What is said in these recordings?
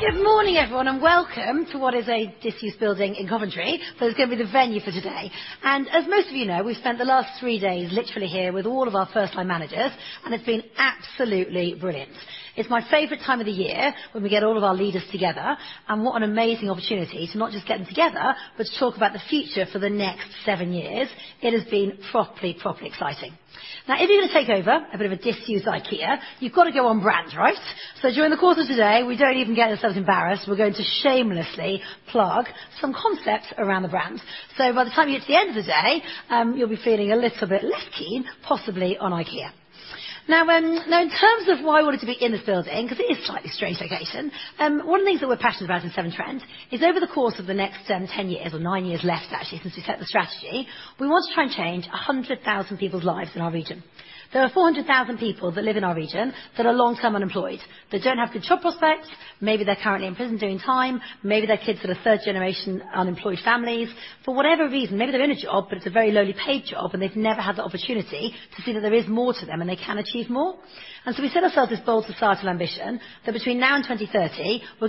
Good morning, everyone, and welcome to what is a disused building in Coventry, but it's going to be the venue for today. As most of you know, we've spent the last three days literally here with all of our first-line managers, and it's been absolutely brilliant. It's my favorite time of the year when we get all of our leaders together, and what an amazing opportunity to not just get them together, but to talk about the future for the next seven years. It has been properly, properly exciting. Now, if you're going to take over a bit of a disused IKEA, you've got to go on brand, right? So during the course of today, we don't even get ourselves embarrassed, we're going to shamelessly plug some concepts around the brand. So by the time you get to the end of the day, you'll be feeling a little bit less keen, possibly on IKEA. Now, in terms of why we wanted to be in this building, because it is a slightly strange location, one of the things that we're passionate about in Severn Trent is over the course of the next 10 years or 9 years left, actually, since we set the strategy, we want to try and change 100,000 people's lives in our region. There are 400,000 people that live in our region that are long-term unemployed. They don't have good job prospects, maybe they're currently in prison doing time, maybe their kids are of third-generation unemployed families. For whatever reason, maybe they're in a job, but it's a very lowly paid job, and they've never had the opportunity to see that there is more to them and they can achieve more. So we set ourselves this bold societal ambition that between now and 2030, we're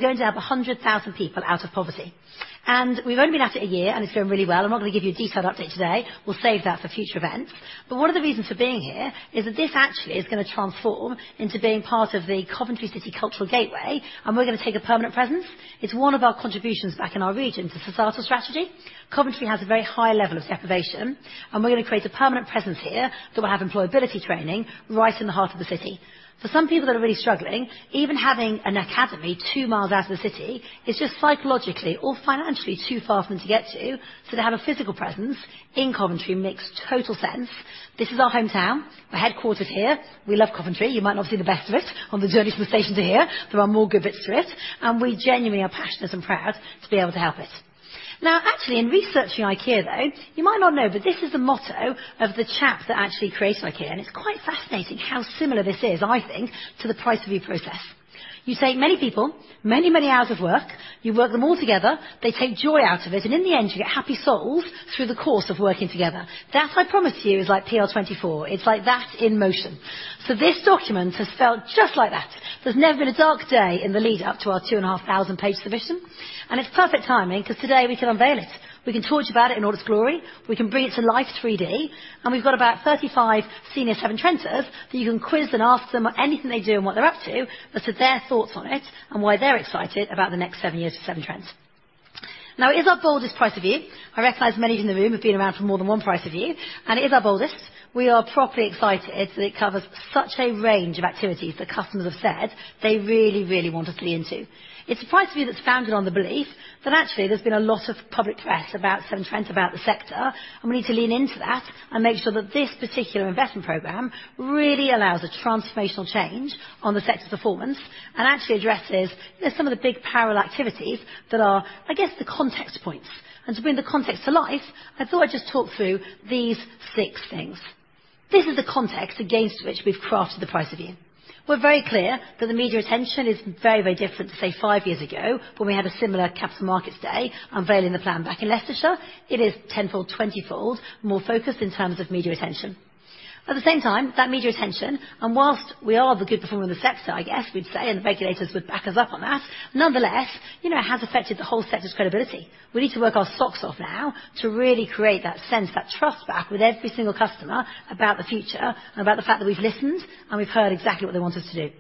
going to have 100,000 people out of poverty. We've only been at it a year, and it's going really well. I'm not going to give you a detailed update today. We'll save that for future events. But one of the reasons for being here is that this actually is going to transform into being part of the Coventry City Cultural Gateway, and we're going to take a permanent presence. It's one of our contributions back in our region to societal strategy. Coventry has a very high level of deprivation, and we're going to create a permanent presence here that will have employability training right in the heart of the city. For some people that are really struggling, even having an Academy two miles out of the city is just psychologically or financially too far for them to get to. So to have a physical presence in Coventry makes total sense. This is our hometown, we're headquartered here. We love Coventry. You might not see the best of it on the journey from the station to here. There are more good bits to it, and we genuinely are passionate and proud to be able to help it. Now, actually, in researching IKEA, though, you might not know, but this is the motto of the chap that actually created IKEA, and it's quite fascinating how similar this is, I think, to the PR24 process. You take many people, many, many hours of work, you work them all together, they take joy out of it, and in the end, you get happy souls through the course of working together. That, I promise you, is like PR24. It's like that in motion. So this document has felt just like that. There's never been a dark day in the lead up to our 2,500-page submission, and it's perfect timing because today we can unveil it. We can talk to you about it in all its glory, we can bring it to life 3D, and we've got about 35 senior Severn Trent, that you can quiz and ask them anything they do and what they're up to as to their thoughts on it and why they're excited about the next seven years of Severn Trent. Now, it is our boldest PR24. I recognize many in the room have been around for more than one PR24, and it is our boldest. We are properly excited. It covers such a range of activities that customers have said they really, really want us to lean into. It's a Price Review that's founded on the belief that actually, there's been a lot of public press about Severn Trent, about the sector, and we need to lean into that and make sure that this particular investment program really allows a transformational change on the sector's performance and actually addresses, you know, some of the big parallel activities that are, I guess, the context points. To bring the context to life, I thought I'd just talk through these 6 things. This is the context against which we've crafted the Price Review. We're very clear that the media attention is very, very different to, say, 5 years ago, when we had a similar capital markets day, unveiling the plan back in Leicestershire. It is tenfold, twentyfold, more focused in terms of media attention. At the same time, that media attention, and whilst we are the good performer of the sector, I guess we'd say, and the regulators would back us up on that, nonetheless, you know, it has affected the whole sector's credibility. We need to work our socks off now to really create that sense, that trust back with every single customer about the future and about the fact that we've listened and we've heard exactly what they want us to do.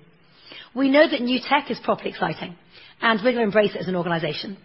We know that new tech is properly exciting, and we're going to embrace it as an organization.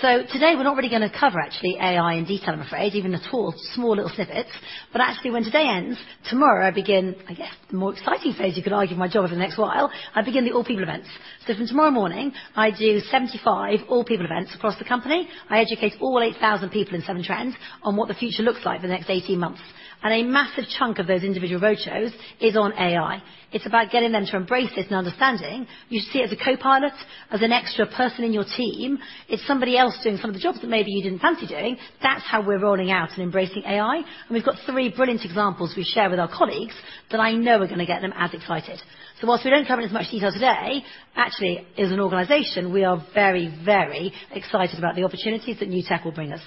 So today, we're not really going to cover actually AI in detail, I'm afraid, even at all, small little snippets. But actually, when today ends, tomorrow, I begin, I guess, the more exciting phase, you could argue, of my job for the next while. I begin the all people events. So from tomorrow morning, I do 75 all people events across the company. I educate all 8,000 people in Severn Trent on what the future looks like for the next 18 months. And a massive chunk of those individual roadshows is on AI. It's about getting them to embrace this and understanding, you should see it as a copilot, as an extra person in your team. It's somebody else doing some of the jobs that maybe you didn't fancy doing. That's how we're rolling out and embracing AI, and we've got three brilliant examples we share with our colleagues that I know are going to get them as excited. So while we don't cover in as much detail today, actually, as an organization, we are very, very excited about the opportunities that new tech will bring us.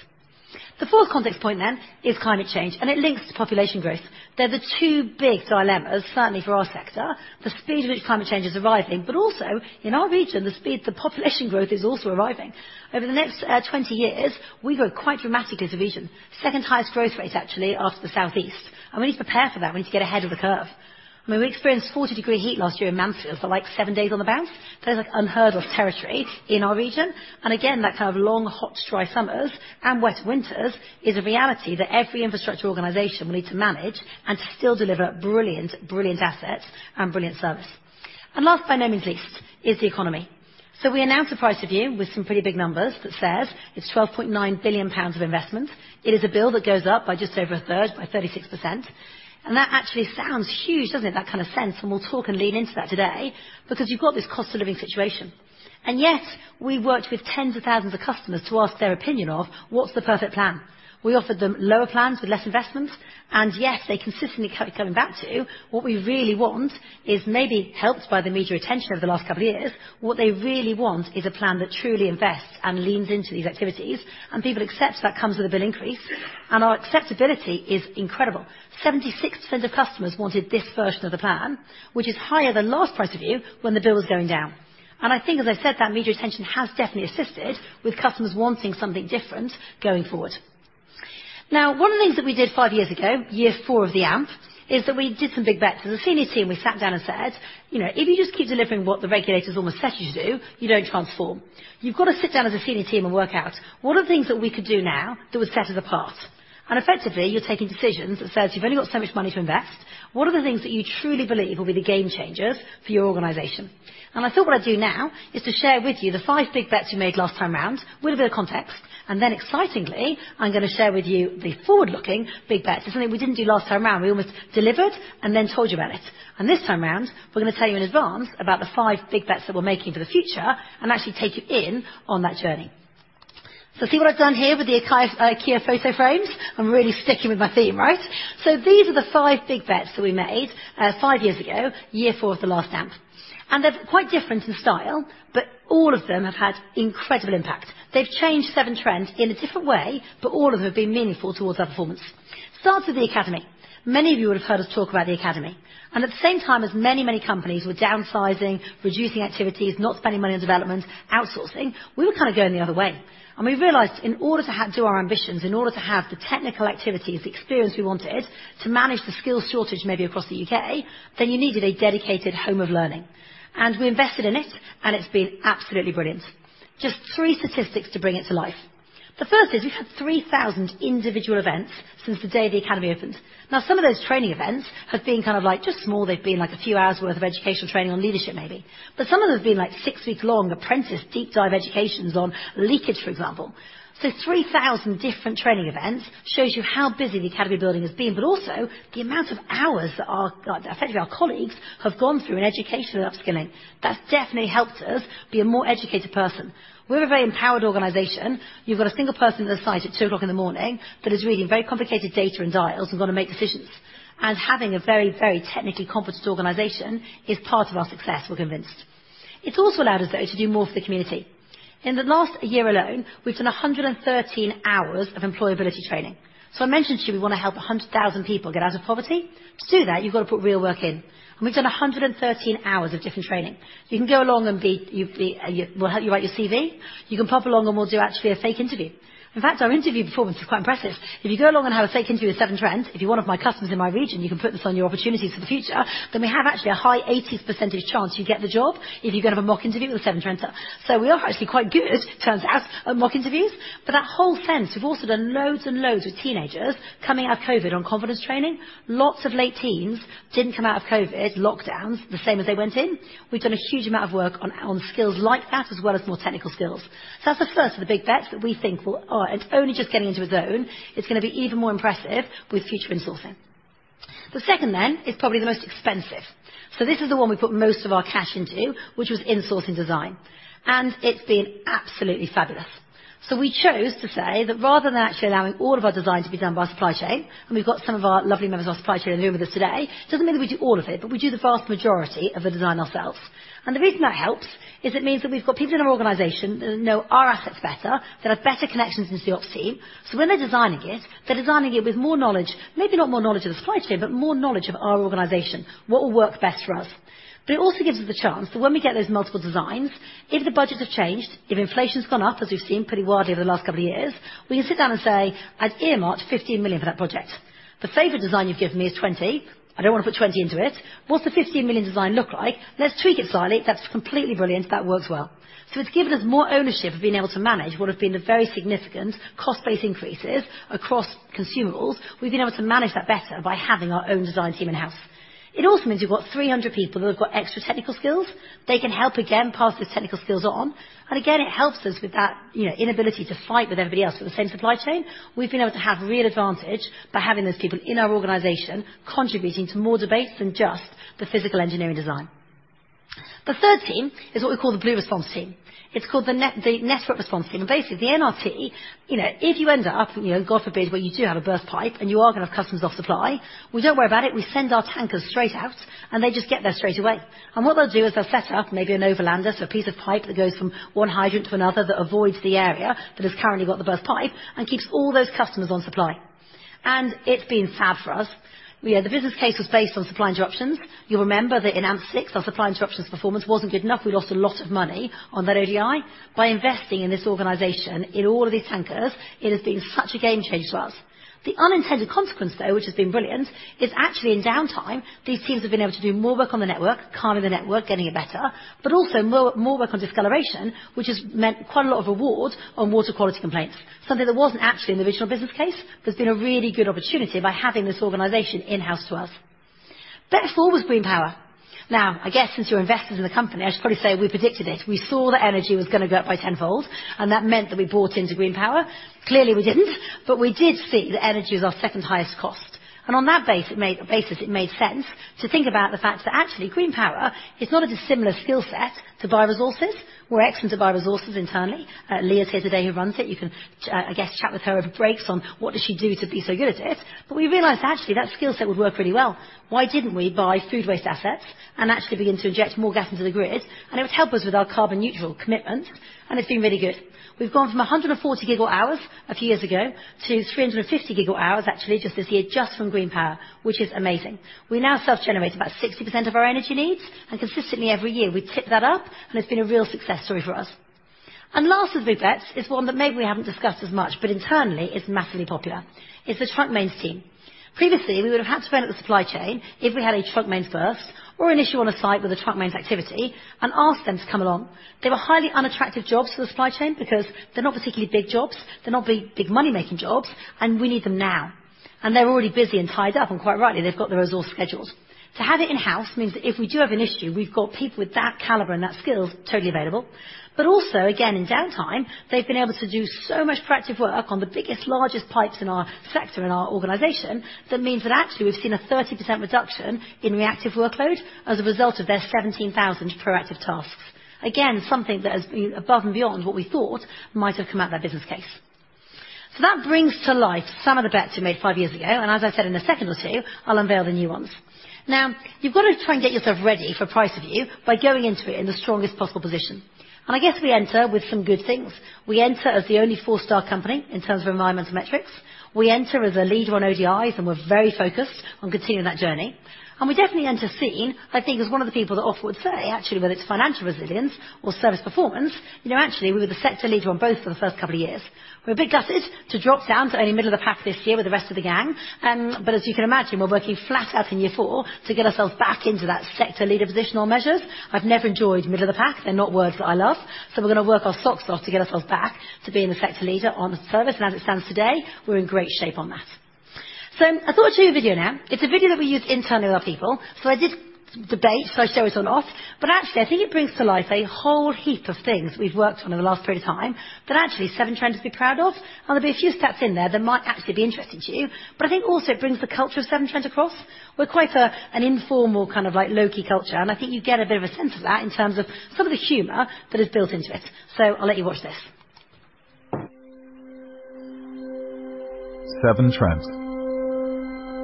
The fourth context point, then, is climate change, and it links to population growth. They're the two big dilemmas, certainly for our sector, the speed at which climate change is arriving, but also in our region, the speed the population growth is also arriving. Over the next 20 years, we grow quite dramatically as a region. Second highest growth rate, actually, after the Southeast, and we need to prepare for that. We need to get ahead of the curve. When we experienced 40-degree heat last year in Mansfield for, like, 7 days on the bounce, that's, like, unheard of territory in our region. And again, that kind of long, hot, dry summers and wet winters is a reality that every infrastructure organization will need to manage and to still deliver brilliant, brilliant assets and brilliant service. And last, but by no means least, is the economy. We announced the PR24 with some pretty big numbers that says it's 12.9 billion pounds of investment. It is a bill that goes up by just over a third, by 36%. That actually sounds huge, doesn't it? That kind of sense, and we'll talk and lean into that today because you've got this cost of living situation. Yet, we've worked with tens of thousands of customers to ask their opinion of what's the perfect plan. We offered them lower plans with less investments, and yet they consistently kept coming back to, what we really want is maybe helped by the media attention over the last couple of years. What they really want is a plan that truly invests and leans into these activities, and people accept that comes with a bill increase, and our acceptability is incredible. 76% of customers wanted this version of the plan, which is higher than last PR19, when the bill was going down. And I think, as I said, that media attention has definitely assisted with customers wanting something different going forward... Now, one of the things that we did five years ago, year four of the AMP, is that we did some big bets. As a senior team, we sat down and said, "You know, if you just keep delivering what the regulators almost set you to do, you don't transform. You've got to sit down as a senior team and work out what are the things that we could do now that would set us apart?" And effectively, you're taking decisions that says you've only got so much money to invest. What are the things that you truly believe will be the game changers for your organization? I thought what I'd do now is to share with you the five big bets we made last time around, with a bit of context, and then excitingly, I'm going to share with you the forward-looking big bets. It's something we didn't do last time around. We almost delivered and then told you about it. This time around, we're going to tell you in advance about the five big bets that we're making for the future and actually take you in on that journey. See what I've done here with the IKEA, IKEA photo frames? I'm really sticking with my theme, right? These are the five big bets that we made five years ago, year four of the last AMP. They're quite different in style, but all of them have had incredible impact. They've changed Severn Trent in a different way, but all of them have been meaningful towards our performance. Starts with the Academy. Many of you would have heard us talk about the Academy, and at the same time as many, many companies were downsizing, reducing activities, not spending money on development, outsourcing, we were kind of going the other way. And we realized in order to have to our ambitions, in order to have the technical activities, the experience we wanted, to manage the skills shortage maybe across the UK, then you needed a dedicated home of learning. And we invested in it, and it's been absolutely brilliant. Just three statistics to bring it to life: The first is we've had 3,000 individual events since the day the Academy opened. Now, some of those training events have been kind of like just small. They've been like a few hours' worth of educational training on leadership, maybe. Some of them have been like six weeks long, apprentice, deep dive educations on leakage, for example. So 3,000 different training events shows you how busy the Academy building has been, but also the amount of hours that our, effectively our colleagues have gone through in educational upskilling. That's definitely helped us be a more educated person. We're a very empowered organization. You've got a single person on the site at 2:00 A.M. that is reading very complicated data and dials and got to make decisions. Having a very, very technically competent organization is part of our success, we're convinced. It's also allowed us, though, to do more for the community. In the last year alone, we've done 113 hours of employability training. I mentioned to you, we want to help 100,000 people get out of poverty. To do that, you've got to put real work in, and we've done 113 hours of different training. You can go along and be... You be-- we'll help you write your CV. You can pop along, and we'll do actually a fake interview. In fact, our interview performance is quite impressive. If you go along and have a fake interview with Severn Trent, if you're one of my customers in my region, you can put this on your opportunities for the future, then we have actually a high 80% chance you get the job if you go have a mock interview with a Severn Trent. So we are actually quite good, turns out, at mock interviews, but that whole sense. We've also done loads and loads of teenagers coming out of COVID on confidence training. Lots of late teens didn't come out of COVID lockdowns the same as they went in. We've done a huge amount of work on, on skills like that, as well as more technical skills. So that's the first of the big bets that we think will... it's only just getting into a zone. It's going to be even more impressive with future insourcing. The second, then, is probably the most expensive. So this is the one we put most of our cash into, which was insourcing design, and it's been absolutely fabulous. So we chose to say that rather than actually allowing all of our design to be done by supply chain, and we've got some of our lovely members of our supply chain who are with us today. Doesn't mean that we do all of it, but we do the vast majority of the design ourselves. And the reason that helps is it means that we've got people in our organization that know our assets better, that have better connections in the ops team. So when they're designing it, they're designing it with more knowledge, maybe not more knowledge of the supply chain, but more knowledge of our organization, what will work best for us. But it also gives us the chance that when we get those multiple designs, if the budgets have changed, if inflation's gone up, as we've seen pretty wildly over the last couple of years, we can sit down and say, "I've earmarked 15 million for that project. The favorite design you've given me is 20 million. I don't want to put 20 million into it. What's the 15 million design look like? Let's tweak it slightly." That's completely brilliant. That works well. So it's given us more ownership of being able to manage what have been the very significant cost-based increases across consumables. We've been able to manage that better by having our own design team in-house. It also means we've got 300 people who have got extra technical skills. They can help, again, pass the technical skills on. And again, it helps us with that, you know, inability to fight with everybody else with the same supply chain. We've been able to have real advantage by having those people in our organization, contributing to more debates than just the physical engineering design. The third team is what we call the Blue Response Team. It's called the Network Response Team, and basically, the NRT, you know, if you end up, you know, God forbid, but you do have a burst pipe, and you are going to have customers off supply, we don't worry about it. We send our tankers straight out, and they just get there straight away. And what they'll do is they'll set up maybe an overlander, so a piece of pipe that goes from one hydrant to another, that avoids the area that has currently got the burst pipe and keeps all those customers on supply. And it's been fab for us. You know, the business case was based on supply interruptions. You'll remember that in AMP6, our supply interruptions performance wasn't good enough. We lost a lot of money on that ODI. By investing in this organization, in all of these tankers, it has been such a game changer for us. The unintended consequence, though, which has been brilliant, is actually in downtime, these teams have been able to do more work on the network, calming the network, getting it better, but also more, more work on discoloration, which has meant quite a lot of awards on water quality complaints, something that wasn't actually in the original business case. There's been a really good opportunity by having this organization in-house to us. AMP4 was Green Power. Now, I guess since you're invested in the company, I should probably say we predicted it. We saw that energy was going to go up by tenfold, and that meant that we bought into Green Power. Clearly, we didn't, but we did see that energy was our second highest cost, and on that basis, it made sense to think about the fact that actually Green Power is not a dissimilar skill set to buy resources. We're excellent to buy resources internally. Leah's here today, who runs it. You can, I guess, chat with her over breaks on what does she do to be so good at it. But we realized, actually, that skill set would work really well. Why didn't we buy food waste assets and actually begin to inject more gas into the grid, and it would help us with our carbon neutral commitment, and it's been really good. We've gone from 140 gigawatt hours a few years ago to 350 gigawatt hours, actually, just this year, just from Green Power, which is amazing. We now self-generate about 60% of our energy needs, and consistently every year, we tick that up, and it's been a real success story for us. And last of the bets is one that maybe we haven't discussed as much, but internally, it's massively popular. It's the trunk mains team. Previously, we would have had to ring up the supply chain if we had a trunk mains burst or an issue on a site with a trunk mains activity and ask them to come along. They were highly unattractive jobs for the supply chain because they're not particularly big jobs, they're not big, big money-making jobs, and we need them now... and they're already busy and tied up, and quite rightly, they've got their resource schedules. To have it in-house means that if we do have an issue, we've got people with that caliber and that skills totally available, but also, again, in downtime, they've been able to do so much proactive work on the biggest, largest pipes in our sector, in our organization. That means that actually, we've seen a 30% reduction in reactive workload as a result of their 17,000 proactive tasks. Again, something that has been above and beyond what we thought might have come out of that business case. So that brings to light some of the bets we made five years ago, and as I said, in a second or two, I'll unveil the new ones. Now, you've got to try and get yourself ready for Price Review by going into it in the strongest possible position. And I guess we enter with some good things. We enter as the only four-star company in terms of environmental metrics. We enter as a leader on ODIs, and we're very focused on continuing that journey. We definitely enter scene, I think, as one of the people that Ofwat would say, actually, whether it's financial resilience or service performance, you know, actually, we were the sector leader on both for the first couple of years. We're a bit gutted to drop down to only middle of the pack this year with the rest of the gang. But as you can imagine, we're working flat out in year four to get ourselves back into that sector leader positional measures. I've never enjoyed middle of the pack. They're not words that I love, so we're going to work our socks off to get ourselves back to being a sector leader on service, and as it stands today, we're in great shape on that. I thought I'd show you a video now. It's a video that we use internally with our people, so I did debate, should I show it on Ofwat, but actually, I think it brings to life a whole heap of things we've worked on in the last period of time, that actually Severn Trent is pretty proud of. There'll be a few stats in there that might actually be interesting to you, but I think also it brings the culture of Severn Trent across. We're quite an informal, kind of like low-key culture, and I think you get a bit of a sense of that in terms of some of the humor that is built into it. So I'll let you watch this. Severn Trent,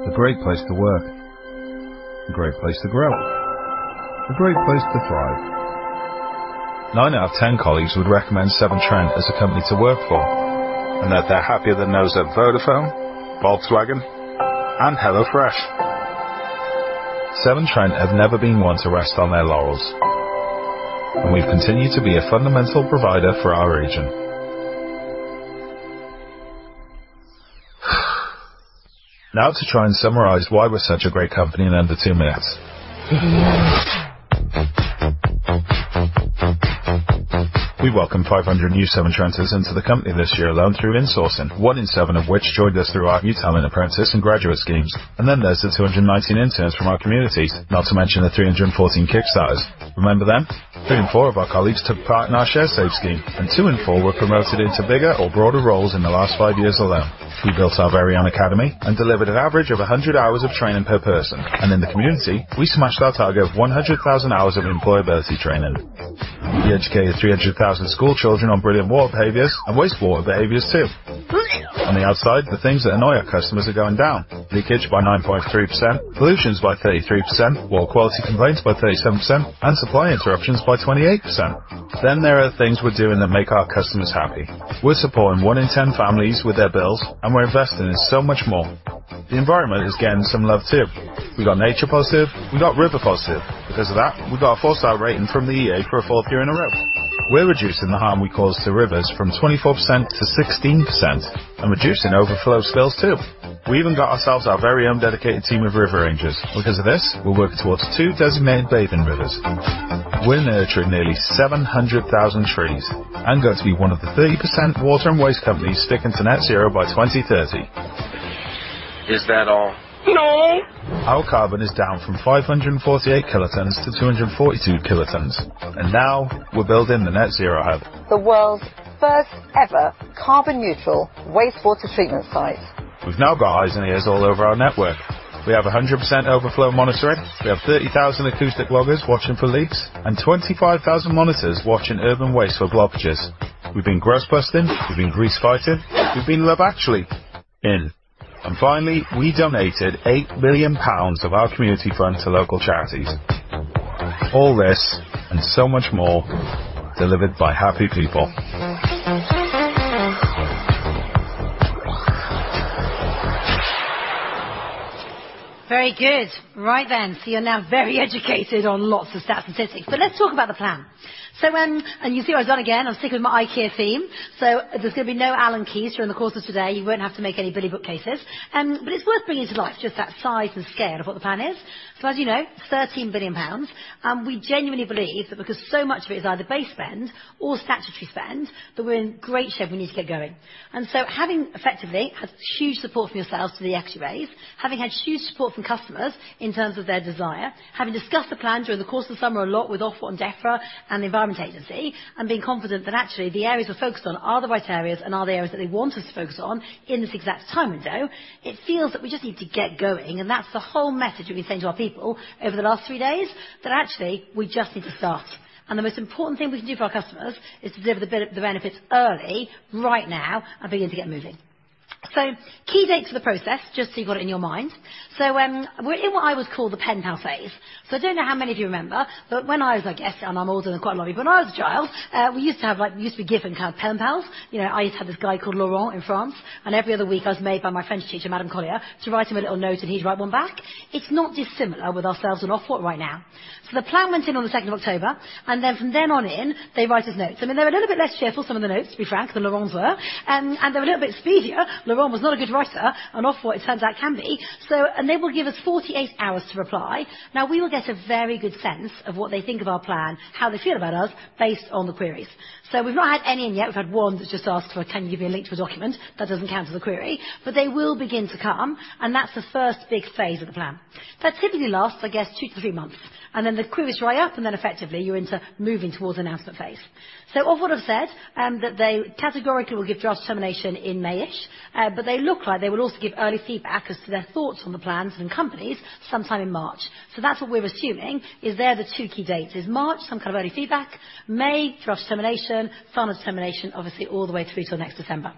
a great place to work, a great place to grow, a great place to thrive. Nine out of ten colleagues would recommend Severn Trent as a company to work for, and that they're happier than those at Vodafone, Volkswagen, and HelloFresh. Severn Trent has never been one to rest on their laurels, and we've continued to be a fundamental provider for our region. Now to try and summarize why we're such a great company in under two minutes. We welcome 500 new Severn Trent into the company this year alone through insourcing, one in seven of which joined us through our new talent, apprentice, and graduate schemes. There are the 219 interns from our communities, not to mention the 314 kickstarters. Remember them? 3 in 4 of our colleagues took part in our ShareSave scheme, and 2 in 4 were promoted into bigger or broader roles in the last 5 years alone. We built our very own Academy and delivered an average of 100 hours of training per person. In the community, we smashed our target of 100,000 hours of employability training. We educated 300,000 school children on brilliant water behaviors and wastewater behaviors, too. On the outside, the things that annoy our customers are going down: leakage by 9.3%, pollutions by 33%, water quality complaints by 37%, and supply interruptions by 28%. There are things we're doing that make our customers happy. We're supporting 1 in 10 families with their bills, and we're investing in so much more. The environment is getting some love, too. We've got Nature Positive, we've got River Positive. Because of that, we've got a Four-Star Rating from the EA for a fourth year in a row. We're reducing the harm we cause to rivers from 24% to 16% and reducing overflow spills, too. We even got ourselves our very own dedicated team of River Rangers. Because of this, we're working towards 2 designated bathing rivers. We're nurturing nearly 700,000 trees and going to be one of the 30% water and waste companies sticking to Net Zero by 2030. Is that all? No! Our carbon is down from 548 kilotons to 242 kilotons, and now we're building the Net Zero Hub. The world's first ever carbon-neutral wastewater treatment site. We've now got eyes and ears all over our network. We have 100% overflow monitoring, we have 30,000 acoustic loggers watching for leaks, and 25,000 monitors watching urban waste for blockages. We've been grass busting, we've been grease fighting, we've been Love Actually... ing. And finally, we donated 8 million pounds of our community fund to local charities. All this and so much more delivered by happy people. Very good. Right, then, so you're now very educated on lots of stats and statistics, but let's talk about the plan. So, and you see what I've done again, I'm sticking with my IKEA theme, so there's going to be no Allen keys during the course of today. You won't have to make any Billy bookcases. But it's worth bringing to light just that size and scale of what the plan is. So as you know, 13 billion pounds, and we genuinely believe that because so much of it is either base spend or statutory spend, that we're in great shape, and we need to get going. So having effectively had huge support from yourselves to the actuaries, having had huge support from customers in terms of their desire, having discussed the plan during the course of the summer, a lot with Ofwat and DEFRA and the Environment Agency, and being confident that actually the areas we're focused on are the right areas and are the areas that they want us to focus on in this exact time window. It feels that we just need to get going, and that's the whole message we've been saying to our people over the last three days, that actually we just need to start. The most important thing we can do for our customers is to deliver the benefits early, right now, and begin to get moving. Key dates for the process, just so you've got it in your mind. So, we're in what I was called the pen pal phase. So I don't know how many of you remember, but when I was like S, and I'm older than quite a lot of people, when I was a child, we used to have, like, we used to be given pen pals. You know, I used to have this guy called Laurent in France, and every other week, I was made by my French teacher, Madame Collier, to write him a little note, and he'd write one back. It's not dissimilar with ourselves and Ofwat right now. So the plan went in on the second of October, and then from then on in, they write us notes. I mean, they're a little bit less cheerful, some of the notes, to be frank, than Laurent's were, and they're a little bit speedier. Laurent was not a good writer, and Ofwat, it turns out, can be. So, and they will give us 48 hours to reply. Now, we will get a very good sense of what they think of our plan, how they feel about us, based on the queries. So we've not had any in yet. We've had one that's just asked for a 10-year link to a document. That doesn't count as a query, but they will begin to come, and that's the first big phase of the plan. That typically lasts, I guess, 2-3 months, and then the queries dry up, and then effectively, you're into moving towards announcement phase. So Ofwat have said, that they categorically will give Draft Determination in May-ish, but they look like they will also give early feedback as to their thoughts on the plans and companies sometime in March. So that's what we're assuming, is they're the two key dates, is March, some kind of early feedback, May, draft determination, Final Determination, obviously, all the way through to the next December.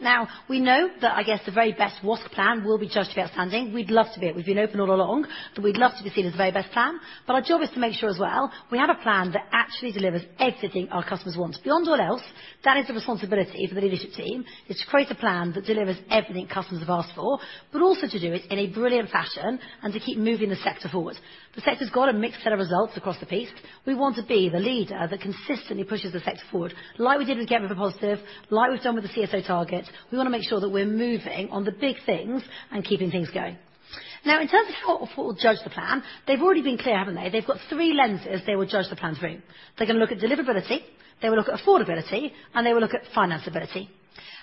Now, we know that, I guess, the very best WaSC plan will be judged to be outstanding. We'd love to be it. We've been open all along, that we'd love to be seen as the very best plan, but our job is to make sure as well, we have a plan that actually delivers everything our customers want. Beyond all else, that is the responsibility for the leadership team, is to create a plan that delivers everything customers have asked for, but also to do it in a brilliant fashion and to keep moving the sector forward. The sector's got a mixed set of results across the piece. We want to be the leader that consistently pushes the sector forward, like we did with Get River Positive, like we've done with the CSO target. We want to make sure that we're moving on the big things and keeping things going. Now, in terms of how Ofwat will judge the plan, they've already been clear, haven't they? They've got three lenses they will judge the plan through. They're going to look at deliverability, they will look at affordability, and they will look at financeability.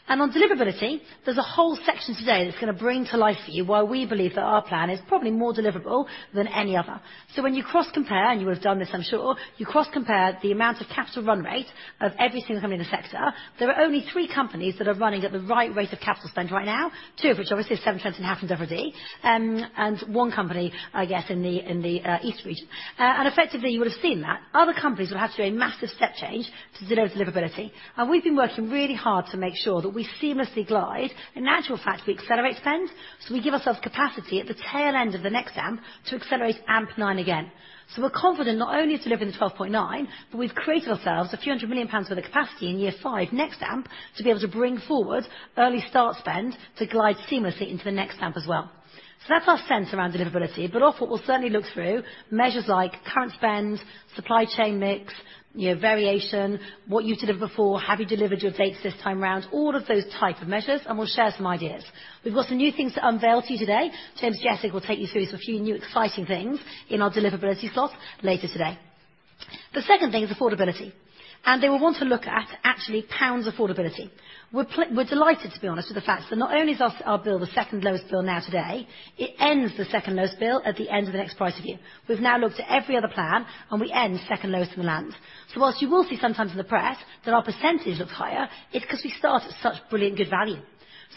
And on deliverability, there's a whole section today that's going to bring to life for you why we believe that our plan is probably more deliverable than any other. So when you cross-compare, and you will have done this, I'm sure, you cross-compare the amount of capital run rate of every single company in the sector, there are only three companies that are running at the right rate of capital spend right now, two of which, obviously, Severn Trent and Hafren Dyfrdwy, and one company, I guess, in the east region. Effectively, you would have seen that other companies will have to do a massive step change to deliver deliverability. We've been working really hard to make sure that we seamlessly glide. In actual fact, we accelerate spend, so we give ourselves capacity at the tail end of the next AMP to accelerate AMP nine again. We're confident not only to deliver in the 12.9, but we've created ourselves a few hundred million GBP worth of capacity in year five, next AMP, to be able to bring forward early start spend to glide seamlessly into the next AMP as well. That's our sense around deliverability, but Ofwat will certainly look through measures like current spend, supply chain mix, year variation, what you delivered before, have you delivered your updates this time around? All of those type of measures, and we'll share some ideas. We've got some new things to unveil to you today. James Jesic will take you through some few new exciting things in our deliverability slot later today. The second thing is affordability, and they will want to look at actually GBP affordability. We're delighted, to be honest, with the fact that not only is our bill the second lowest bill now today, it ends the second lowest bill at the end of the next price review. We've now looked at every other plan, and we end second lowest in the land. So whilst you will see sometimes in the press that our percentage looks higher, it's 'cause we start at such brilliant, good value.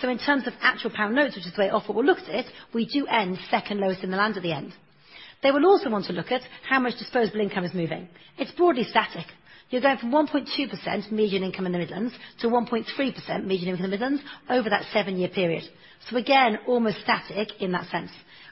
So in terms of actual pound notes, which is the way Ofwat will look at it, we do end second lowest in the land at the end. They will also want to look at how much disposable income is moving. It's broadly static. You're going from 1.2% median income in the Midlands to 1.3% median income in the Midlands over that seven-year period. So again, almost static in that sense.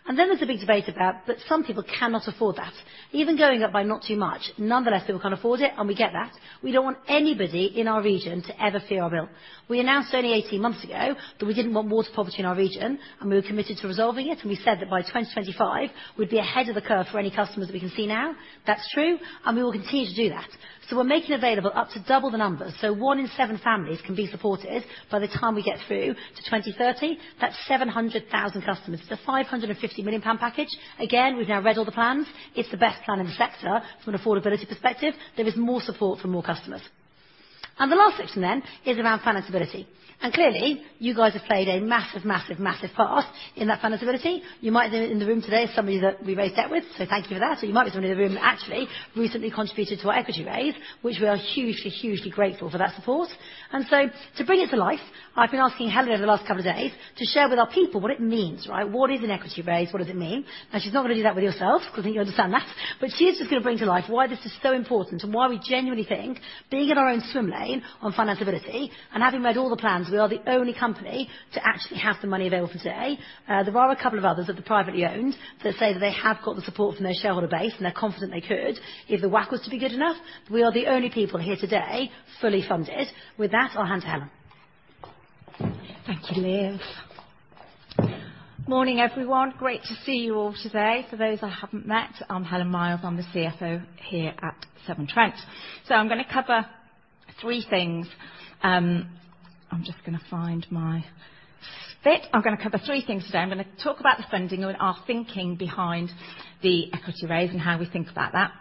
Then there's a big debate about that some people cannot afford that. Even going up by not too much, nonetheless, people can't afford it, and we get that. We don't want anybody in our region to ever fear our bill. We announced only 18 months ago that we didn't want water poverty in our region, and we were committed to resolving it, and we said that by 2025, we'd be ahead of the curve for any customers that we can see now. That's true, and we will continue to do that. So we're making available up to double the numbers, so 1 in 7 families can be supported by the time we get through to 2030. That's 700,000 customers. It's a 550 million pound package. Again, we've now read all the plans. It's the best plan in the sector from an affordability perspective. There is more support for more customers. And the last section then is around financeability. And clearly, you guys have played a massive, massive, massive part in that financeability. You might have been in the room today as somebody that we raised debt with, so thank you for that. So you might be somebody in the room who actually recently contributed to our equity raise, which we are hugely, hugely grateful for that support. And so to bring it to life, I've been asking Helen over the last couple of days to share with our people what it means, right? What is an equity raise? What does it mean? And she's not going to do that with yourself, because I think you understand that. She is just going to bring to life why this is so important and why we genuinely think being in our own swim lane on financeability and having read all the plans, we are the only company to actually have the money available today. There are a couple of others that are privately owned that say that they have got the support from their shareholder base, and they're confident they could, if the whack was to be good enough. We are the only people here today, fully funded. With that, I'll hand to Helen. Thank you, Liv. Morning, everyone. Great to see you all today. For those I haven't met, I'm Helen Miles, I'm the CFO here at Severn Trent. So I'm gonna cover three things. I'm gonna cover three things today. I'm gonna talk about the funding and our thinking behind the equity raise and how we think about that.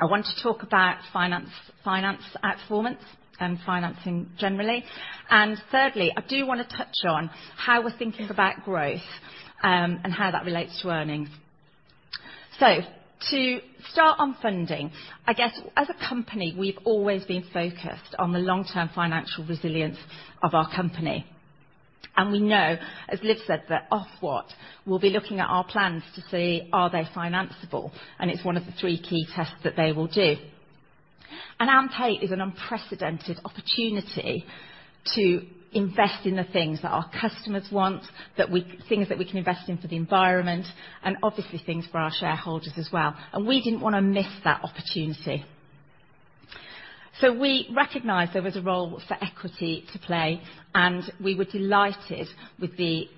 I want to talk about finance, finance performance and financing generally. And thirdly, I do want to touch on how we're thinking about growth, and how that relates to earnings. So to start on funding, I guess, as a company, we've always been focused on the long-term financial resilience of our company. And we know, as Liv said, that Ofwat will be looking at our plans to see are they financeable, and it's one of the three key tests that they will do. AMP 8 is an unprecedented opportunity to invest in the things that our customers want, that we can invest in for the environment, and obviously, things for our shareholders as well, and we didn't wanna miss that opportunity. We recognized there was a role for equity to play, and we were delighted with the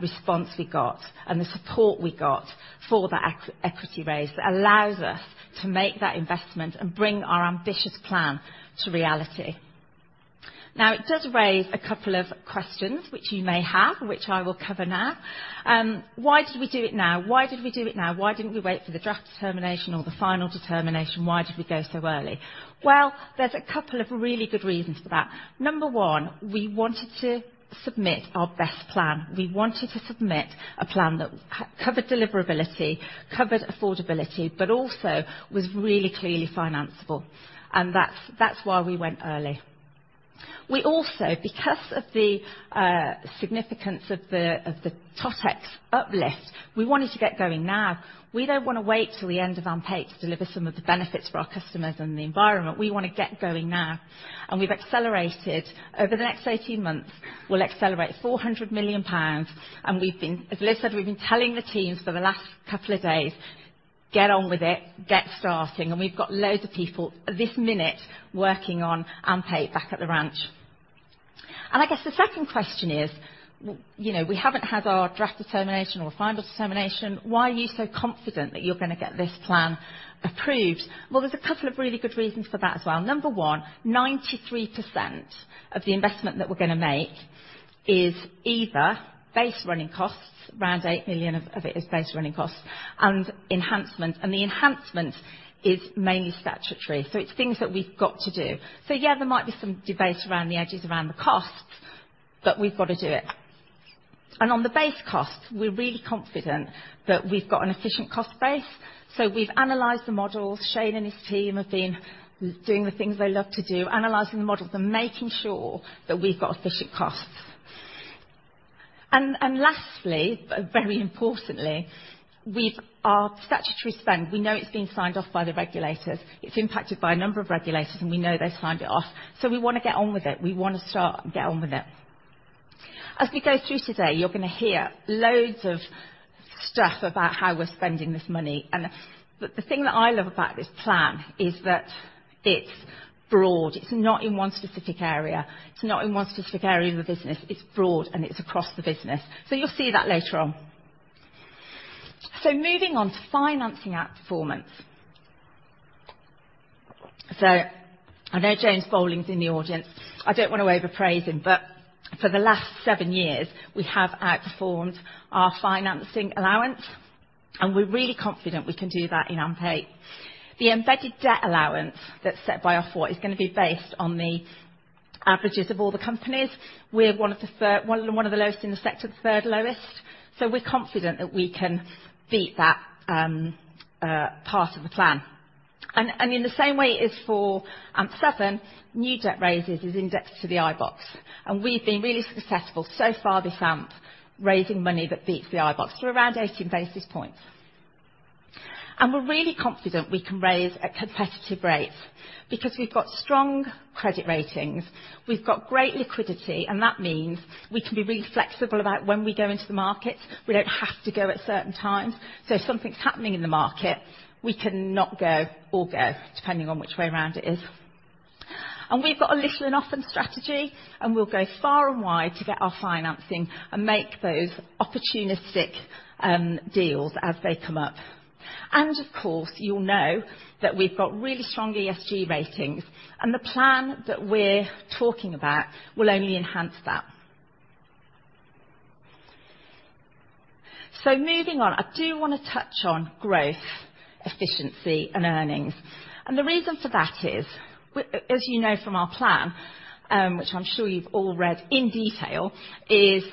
response we got and the support we got for that equity raise that allows us to make that investment and bring our ambitious plan to reality. Now, it does raise a couple of questions, which you may have, which I will cover now. Why did we do it now? Why did we do it now? Why didn't we wait for the draft determination or the final determination? Why did we go so early? Well, there's a couple of really good reasons for that. Number one, we wanted to submit our best plan. We wanted to submit a plan that covered deliverability, covered affordability, but also was really clearly financeable, and that's, that's why we went early. We also, because of the significance of the TotEx uplift, we wanted to get going now. We don't want to wait till the end of AMP8 to deliver some of the benefits for our customers and the environment. We want to get going now, and we've accelerated. Over the next 18 months, we'll accelerate 400 million pounds, and we've been as Liv said, we've been telling the teams for the last couple of days, "Get on with it, get starting." We've got loads of people this minute working on AMP8 back at the ranch. I guess the second question is, you know, we haven't had our Draft Determination or Final Determination, why are you so confident that you're going to get this plan approved? Well, there's a couple of really good reasons for that as well. Number one, 93% of the investment that we're going to make is either Base Costs, around 8 million of it is Base Costs and enhancements, and the enhancements is mainly statutory. So it's things that we've got to do. So yeah, there might be some debate around the edges, around the costs, but we've got to do it. And on the Base Costs, we're really confident that we've got an efficient cost base, so we've analyzed the models. Shane and his team have been doing the things they love to do, analyzing the models and making sure that we've got efficient costs. And, and lastly, but very importantly, we've our statutory spend, we know it's been signed off by the regulators. It's impacted by a number of regulators, and we know they've signed it off, so we want to get on with it. We want to start and get on with it. As we go through today, you're going to hear loads of stuff about how we're spending this money, and, but the thing that I love about this plan is that it's broad. It's not in one specific area. It's not in one specific area of the business. It's broad, and it's across the business. So you'll see that later on. So moving on to financing our performance. So I know James Bowling is in the audience. I don't want to overpraise him, but for the last 7 years, we have outperformed our financing allowance, and we're really confident we can do that in AMP8. The embedded debt allowance that's set by Ofwat is going to be based on the averages of all the companies. We're one of the third, one of the lowest in the sector, the third lowest, so we're confident that we can beat that, part of the plan. And in the same way as for 7 new debt raises is indexed to the iBoxx, and we've been really successful so far this AMP, raising money that beats the iBoxx through around 18 basis points. And we're really confident we can raise at competitive rates because we've got strong credit ratings, we've got great liquidity, and that means we can be really flexible about when we go into the markets. We don't have to go at certain times. So if something's happening in the market, we can not go or go, depending on which way around it is. And we've got a little and often strategy, and we'll go far and wide to get our financing and make those opportunistic deals as they come up. And of course, you'll know that we've got really strong ESG ratings, and the plan that we're talking about will only enhance that. So moving on, I do want to touch on growth, efficiency, and earnings. And the reason for that is, as you know from our plan, which I'm sure you've all read in detail, is,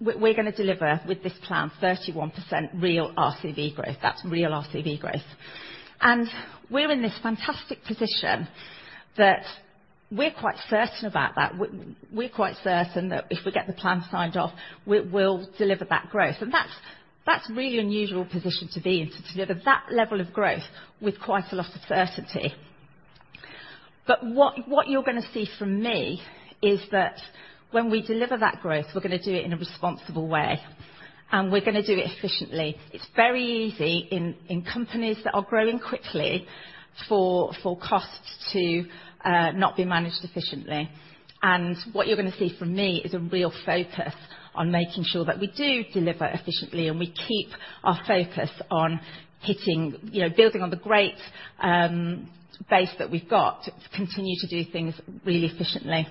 we're going to deliver with this plan 31% real RCV growth. That's real RCV growth. We're in this fantastic position that we're quite certain about, that we're quite certain that if we get the plan signed off, we'll deliver that growth. That's a really unusual position to be in, to deliver that level of growth with quite a lot of certainty. But what you're going to see from me is that when we deliver that growth, we're going to do it in a responsible way, and we're going to do it efficiently. It's very easy in companies that are growing quickly for costs to not be managed efficiently. What you're going to see from me is a real focus on making sure that we do deliver efficiently, and we keep our focus on hitting you know building on the great base that we've got to continue to do things really efficiently.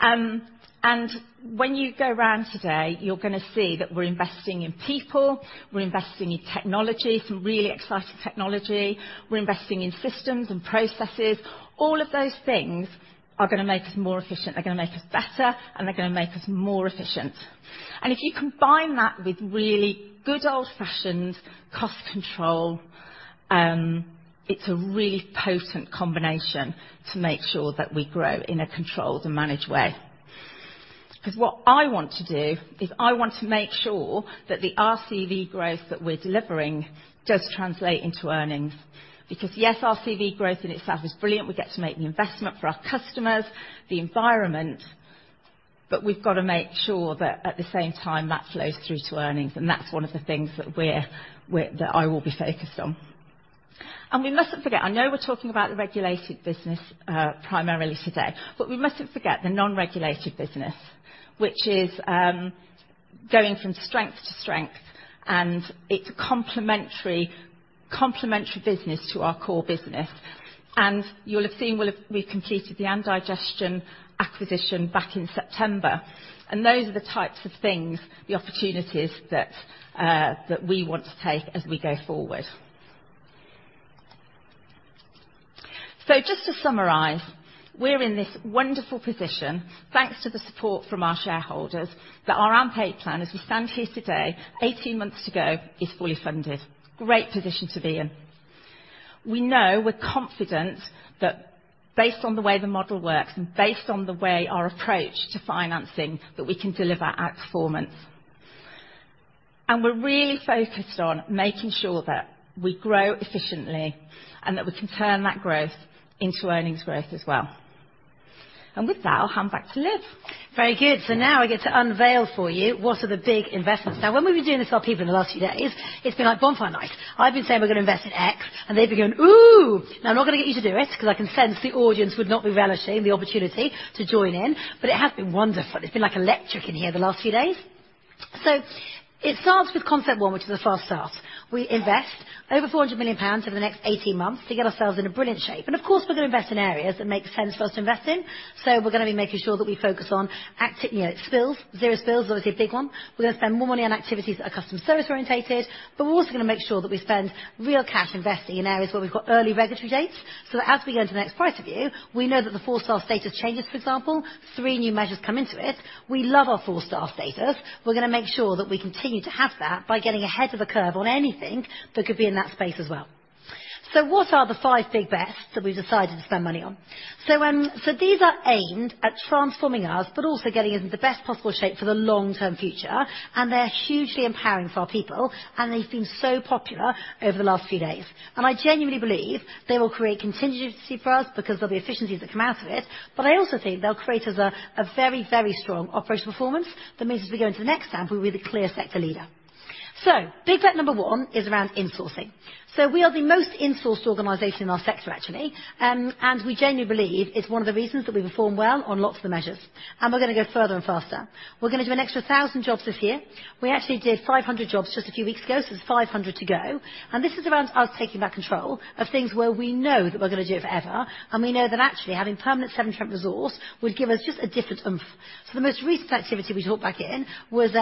And when you go around today, you're going to see that we're investing in people, we're investing in technology, some really exciting technology. We're investing in systems and processes. All of those things are going to make us more efficient. They're going to make us better, and they're going to make us more efficient. And if you combine that with really good old-fashioned cost control, it's a really potent combination to make sure that we grow in a controlled and managed way. 'Cause what I want to do is I want to make sure that the RCV growth that we're delivering does translate into earnings. Because, yes, RCV growth in itself is brilliant. We get to make the investment for our customers, the environment, but we've got to make sure that at the same time, that flows through to earnings, and that's one of the things that we're, we're... that I will be focused on. We mustn't forget, I know we're talking about the regulated business, primarily today, but we mustn't forget the non-regulated business, which is going from strength to strength, and it's a complementary, complementary business to our core business. You'll have seen, we've completed the Andigestion acquisition back in September, and those are the types of things, the opportunities that we want to take as we go forward. Just to summarize, we're in this wonderful position, thanks to the support from our shareholders, that our AMP8 plan, as we stand here today, 18 months to go, is fully funded. Great position to be in. We know, we're confident that based on the way the model works, and based on the way our approach to financing, that we can deliver outperformance. And we're really focused on making sure that we grow efficiently, and that we can turn that growth into earnings growth as well. And with that, I'll hand back to Liv. Very good. So now I get to unveil for you what are the big investments. Now, when we've been doing this with our people in the last few days, it's been like bonfire night. I've been saying we're going to invest in X, and they've been going, "Ooh!" Now, I'm not going to get you to do it, 'cause I can sense the audience would not be relishing the opportunity to join in, but it has been wonderful. It's been, like, electric in here the last few days. So it starts with concept one, which is a fast start. We invest over 400 million pounds over the next 18 months to get ourselves in a brilliant shape, and of course, we're going to invest in areas that make sense for us to invest in. So we're gonna be making sure that we focus on active, you know, spills. Zero spills, obviously, a big one. We're gonna spend more money on activities that are customer service-oriented, but we're also gonna make sure that we spend real cash investing in areas where we've got early regulatory dates. So that as we go into the next Price Review, we know that the four-star status changes, for example, three new measures come into it. We love our four-star status. We're gonna make sure that we continue to have that by getting ahead of the curve on anything that could be in that space as well. So what are the five big bets that we've decided to spend money on? So, so these are aimed at transforming us, but also getting us into the best possible shape for the long-term future, and they're hugely empowering for our people, and they've been so popular over the last few days. I genuinely believe they will create contingency for us because of the efficiencies that come out of it, but I also think they'll create us a very, very strong operational performance. That means as we go into the next AMP, we'll be the clear sector leader. So big bet number 1 is around insourcing. So we are the most in-sourced organization in our sector, actually, and we genuinely believe it's one of the reasons that we perform well on lots of the measures, and we're gonna go further and faster. We're gonna do an extra 1,000 jobs this year. We actually did 500 jobs just a few weeks ago, so it's 500 to go, and this is around us taking back control of things where we know that we're gonna do it forever, and we know that actually, having permanent Severn Trent resource would give us just a different oomph. So the most recent activity we took back in was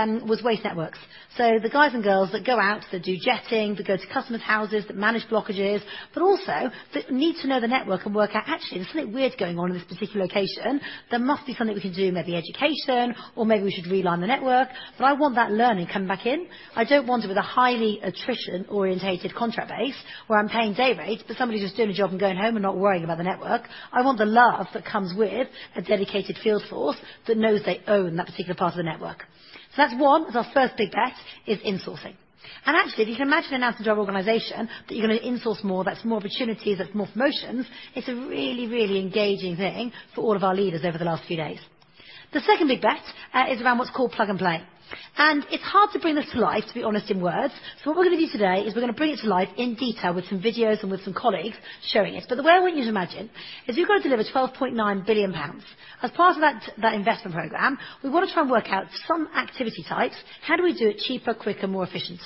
waste networks. So the guys and girls that go out, that do jetting, that go to customers' houses, that manage blockages, but also that need to know the network and work out, actually, there's something weird going on in this particular location. There must be something we can do, maybe education, or maybe we should realign the network, but I want that learning coming back in. I don't want it with a highly attrition-oriented contract base where I'm paying day rate for somebody who's just doing a job and going home and not worrying about the network. I want the love that comes with a dedicated field force that knows they own that particular part of the network. So that's one, is our first big bet, is insourcing. And actually, if you can imagine announcing to our organization that you're gonna insource more, that's more opportunities, that's more promotions, it's a really, really engaging thing for all of our leaders over the last few days. The second big bet is around what's called plug and play. And it's hard to bring this to life, to be honest, in words. So what we're gonna do today is we're gonna bring it to life in detail with some videos and with some colleagues showing it. The way I want you to imagine is we've got to deliver 12.9 billion pounds. As part of that investment program, we want to try and work out some activity types. How do we do it cheaper, quicker, more efficient?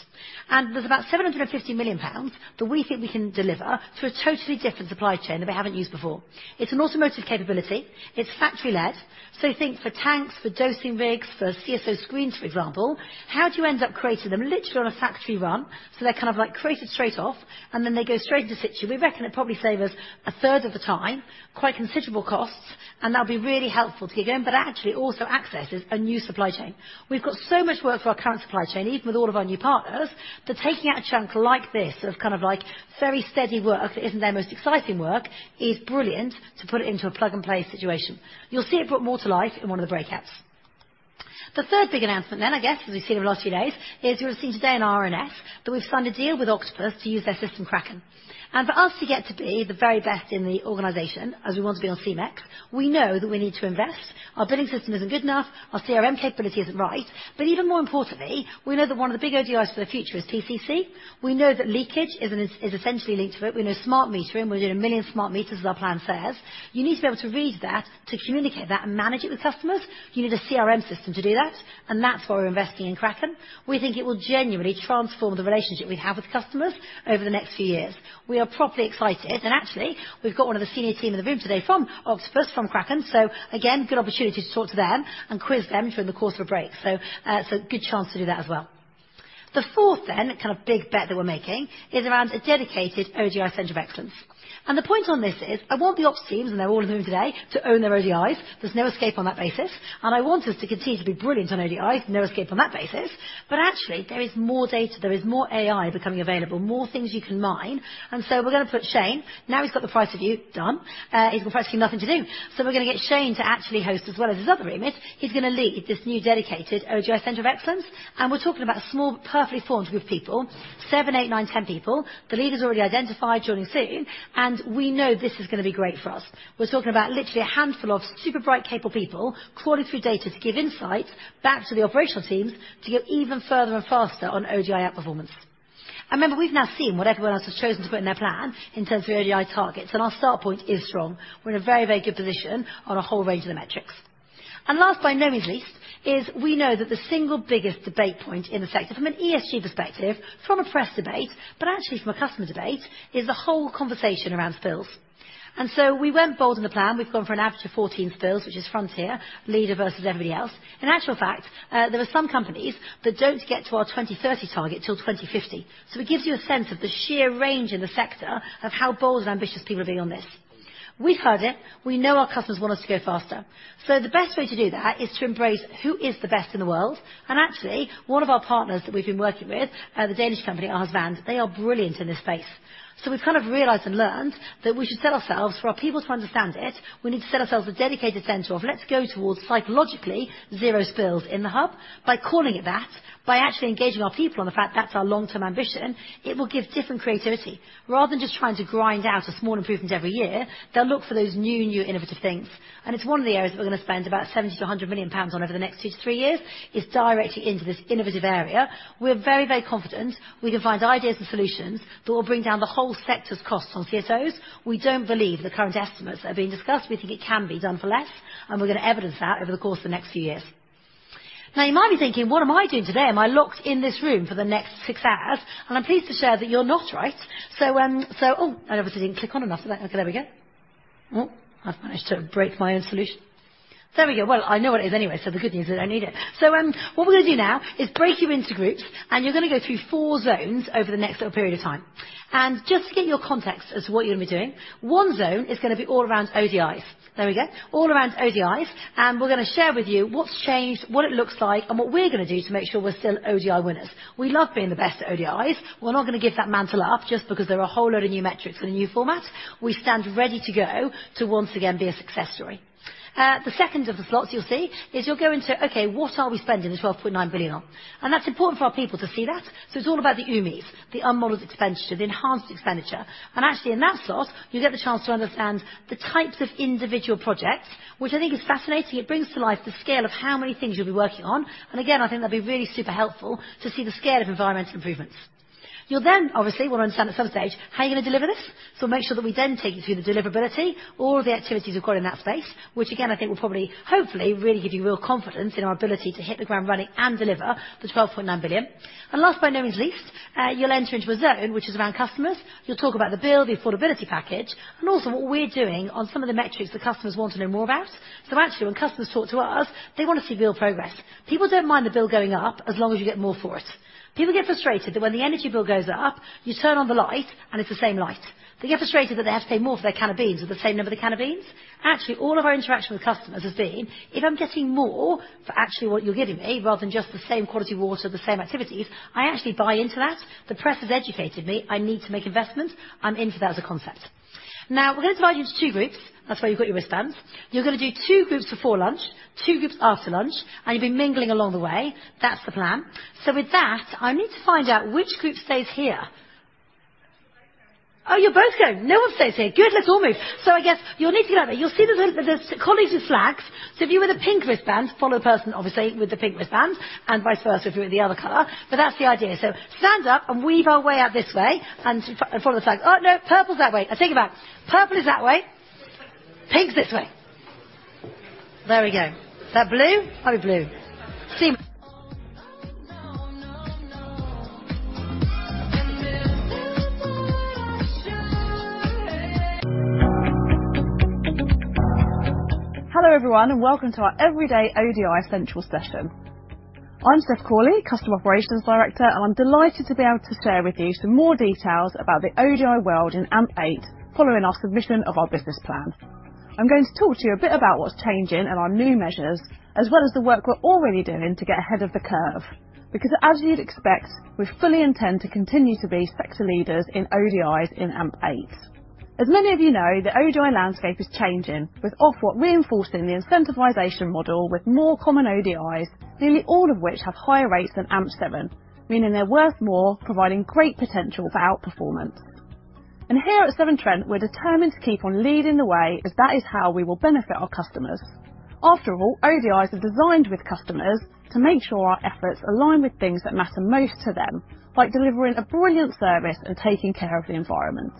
There's about 750 million pounds that we think we can deliver through a totally different supply chain that they haven't used before. It's an automotive capability, it's factory led. So think for tanks, for dosing rigs, for CSO screens, for example. How do you end up creating them literally on a factory run, so they're kind of, like, created straight off, and then they go straight into situ? We reckon it'll probably save us a third of the time, quite considerable costs, and that'll be really helpful to get going, but actually also accesses a new supply chain. We've got so much work for our current supply chain, even with all of our new partners, that taking out a chunk like this, of kind of like very steady work, that isn't their most exciting work, is brilliant to put it into a plug-and-play situation. You'll see it brought more to life in one of the breakouts. The third big announcement then, I guess, as we've seen over the last few days, is you'll have seen today in RNS, that we've signed a deal with Octopus to use their system, Kraken. And for us to get to be the very best in the organization, as we want to be on C-MeX, we know that we need to invest. Our billing system isn't good enough, our CRM capability isn't right, but even more importantly, we know that one of the big ODIs for the future is PCC. We know that leakage is essentially linked to it. We know smart metering, we're doing 1 million smart meters, as our plan says. You need to be able to read that, to communicate that and manage it with customers. You need a CRM system to do that, and that's why we're investing in Kraken. We think it will genuinely transform the relationship we have with customers over the next few years. We are properly excited, and actually, we've got one of the senior team in the room today from Octopus, from Kraken, so again, good opportunity to talk to them and quiz them during the course of a break. So, it's a good chance to do that as well. The fourth then, kind of big bet that we're making, is around a dedicated ODI center of excellence. The point on this is, I want the ops teams, and they're all in the room today, to own their ODIs. There's no escape on that basis, and I want us to continue to be brilliant on ODIs, no escape on that basis. But actually, there is more data, there is more AI becoming available, more things you can mine, and so we're gonna put Shane, now he's got the Price Review done, he's got practically nothing to do. So we're gonna get Shane to actually host, as well as his other remit, he's gonna lead this new dedicated ODI center of excellence, and we're talking about a small, perfectly formed group of people, seven, eight, nine, ten people. The leader's already identified, joining soon, and we know this is gonna be great for us. We're talking about literally a handful of super bright, capable people, trawling through data to give insight back to the operational teams to go even further and faster on ODI outperformance. And remember, we've now seen what everyone else has chosen to put in their plan in terms of ODI targets, and our start point is strong. We're in a very, very good position on a whole range of the metrics. And last, but by no means least, is we know that the single biggest debate point in the sector from an ESG perspective, from a press debate, but actually from a customer debate, is the whole conversation around spills. And so we went bold in the plan. We've gone for an average of 14 spills, which is frontier, leader versus everybody else. In actual fact, there are some companies that don't get to our 2030 target till 2050. So it gives you a sense of the sheer range in the sector of how bold and ambitious people are being on this. We've heard it. We know our customers want us to go faster. So the best way to do that is to embrace who is the best in the world, and actually, one of our partners that we've been working with, the Danish company, Aarsleff, they are brilliant in this space. So we've kind of realized and learned that we should set ourselves, for our people to understand it, we need to set ourselves a dedicated center of let's go towards psychologically Zero Spills Hub By calling it that, by actually engaging our people on the fact that's our long-term ambition, it will give different creativity. Rather than just trying to grind out a small improvement every year, they'll look for those new, new innovative things. And it's one of the areas we're going to spend about 70 million-100 million pounds on over the next 2-3 years, is directly into this innovative area. We're very, very confident we can find ideas and solutions that will bring down the whole sector's costs on CSOs. We don't believe the current estimates are being discussed. We think it can be done for less, and we're going to evidence that over the course of the next few years. Now, you might be thinking, what am I doing today? Am I locked in this room for the next 6 hours? And I'm pleased to share that you're not right. So, Oh, I obviously didn't click on enough. Okay, there we go. Oh, I've managed to break my own solution. There we go. Well, I know what it is anyway, so the good news is I don't need it. So, what we're going to do now is break you into groups, and you're going to go through four zones over the next little period of time. And just to get your context as to what you're going to be doing, one zone is going to be all around ODIs. There we go, all around ODIs, and we're going to share with you what's changed, what it looks like, and what we're going to do to make sure we're still ODI winners. We love being the best at ODIs. We're not going to give that mantle up just because there are a whole load of new metrics and a new format. We stand ready to go to once again be a success story. The second of the slots you'll see is you'll go into, okay, what are we spending the 12.9 billion on? And that's important for our people to see that. So it's all about the UMEs, the unmodeled expenditure, the enhancement expenditure. And actually, in that slot, you get the chance to understand the types of individual projects, which I think is fascinating. It brings to life the scale of how many things you'll be working on. And again, I think that'd be really super helpful to see the scale of environmental improvements. You'll then, obviously, we'll understand at some stage, how are you going to deliver this? So make sure that we then take you through the deliverability, all of the activities we've got in that space, which again, I think will probably, hopefully, really give you real confidence in our ability to hit the ground running and deliver the 12.9 billion. And last, but no means least, you'll enter into a zone which is around customers. You'll talk about the bill, the affordability package, and also what we're doing on some of the metrics that customers want to know more about. So actually, when customers talk to us, they want to see real progress. People don't mind the bill going up as long as you get more for it. People get frustrated that when the energy bill goes up, you turn on the light, and it's the same light. They get frustrated that they have to pay more for their can of beans, with the same number of cans of beans. Actually, all of our interaction with customers has been, if I'm getting more for actually what you're giving me, rather than just the same quality water, the same activities, I actually buy into that. The press has educated me, I need to make investments. I'm into that as a concept. Now, we're going to divide you into two groups. That's why you've got your wristbands. You're going to do two groups before lunch, two groups after lunch, and you'll be mingling along the way. That's the plan. So with that, I need to find out which group stays here. Oh, you're both going. No one stays here. Good, let's all move. So I guess you'll need to go out there. You'll see the little... The colleagues with flags. So if you're with a pink wristband, follow the person, obviously, with the pink wristband, and vice versa if you're with the other color. But that's the idea. So stand up and weave our way out this way and follow the flag. Oh, no, purple's that way. I take it back. Purple is that way. Pink is this way. There we go. Is that blue? Oh, blue. Hello, everyone, and welcome to our Everyday ODI Central session. I'm Steph Cawley, Customer Operations Director, and I'm delighted to be able to share with you some more details about the ODI world in AMP8, following our submission of our business plan. I'm going to talk to you a bit about what's changing and our new measures, as well as the work we're already doing to get ahead of the curve, because as you'd expect, we fully intend to continue to be sector leaders in ODIs in AMP8. As many of you know, the ODI landscape is changing, with Ofwat reinforcing the incentivization model with more common ODIs, nearly all of which have higher rates than AMP7, meaning they're worth more, providing great potential for outperformance. Here at Severn Trent, we're determined to keep on leading the way, as that is how we will benefit our customers. After all, ODIs are designed with customers to make sure our efforts align with things that matter most to them, like delivering a brilliant service and taking care of the environment.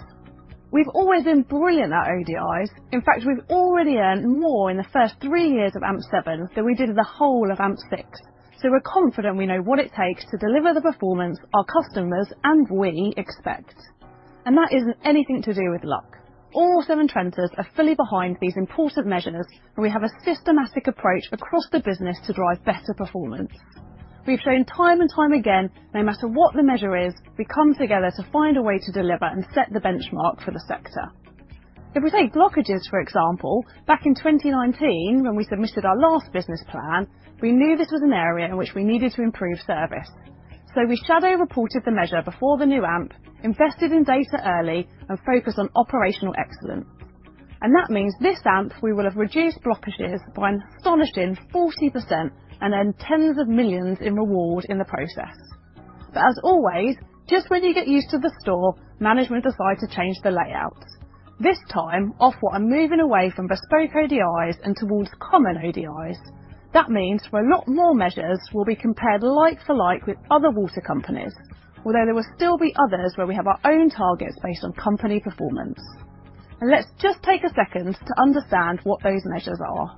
We've always been brilliant at ODIs. In fact, we've already earned more in the first 3 years of AMP7 than we did in the whole of AMP6. We're confident we know what it takes to deliver the performance our customers, and we, expect. That isn't anything to do with luck. All Severn Trenters are fully behind these important measures, and we have a systematic approach across the business to drive better performance. We've shown time and time again, no matter what the measure is, we come together to find a way to deliver and set the benchmark for the sector. If we take blockages for example, back in 2019, when we submitted our last business plan, we knew this was an area in which we needed to improve service. So we shadow reported the measure before the new AMP, invested in data early, and focused on operational excellence. And that means this AMP, we will have reduced blockages by an astonishing 40% and earned tens of millions GBP in reward in the process. But as always, just when you get used to the store, management decide to change the layout. This time, Ofwat are moving away from bespoke ODIs and towards common ODIs. That means a lot more measures will be compared like for like with other water companies, although there will still be others where we have our own targets based on company performance. Let's just take a second to understand what those measures are.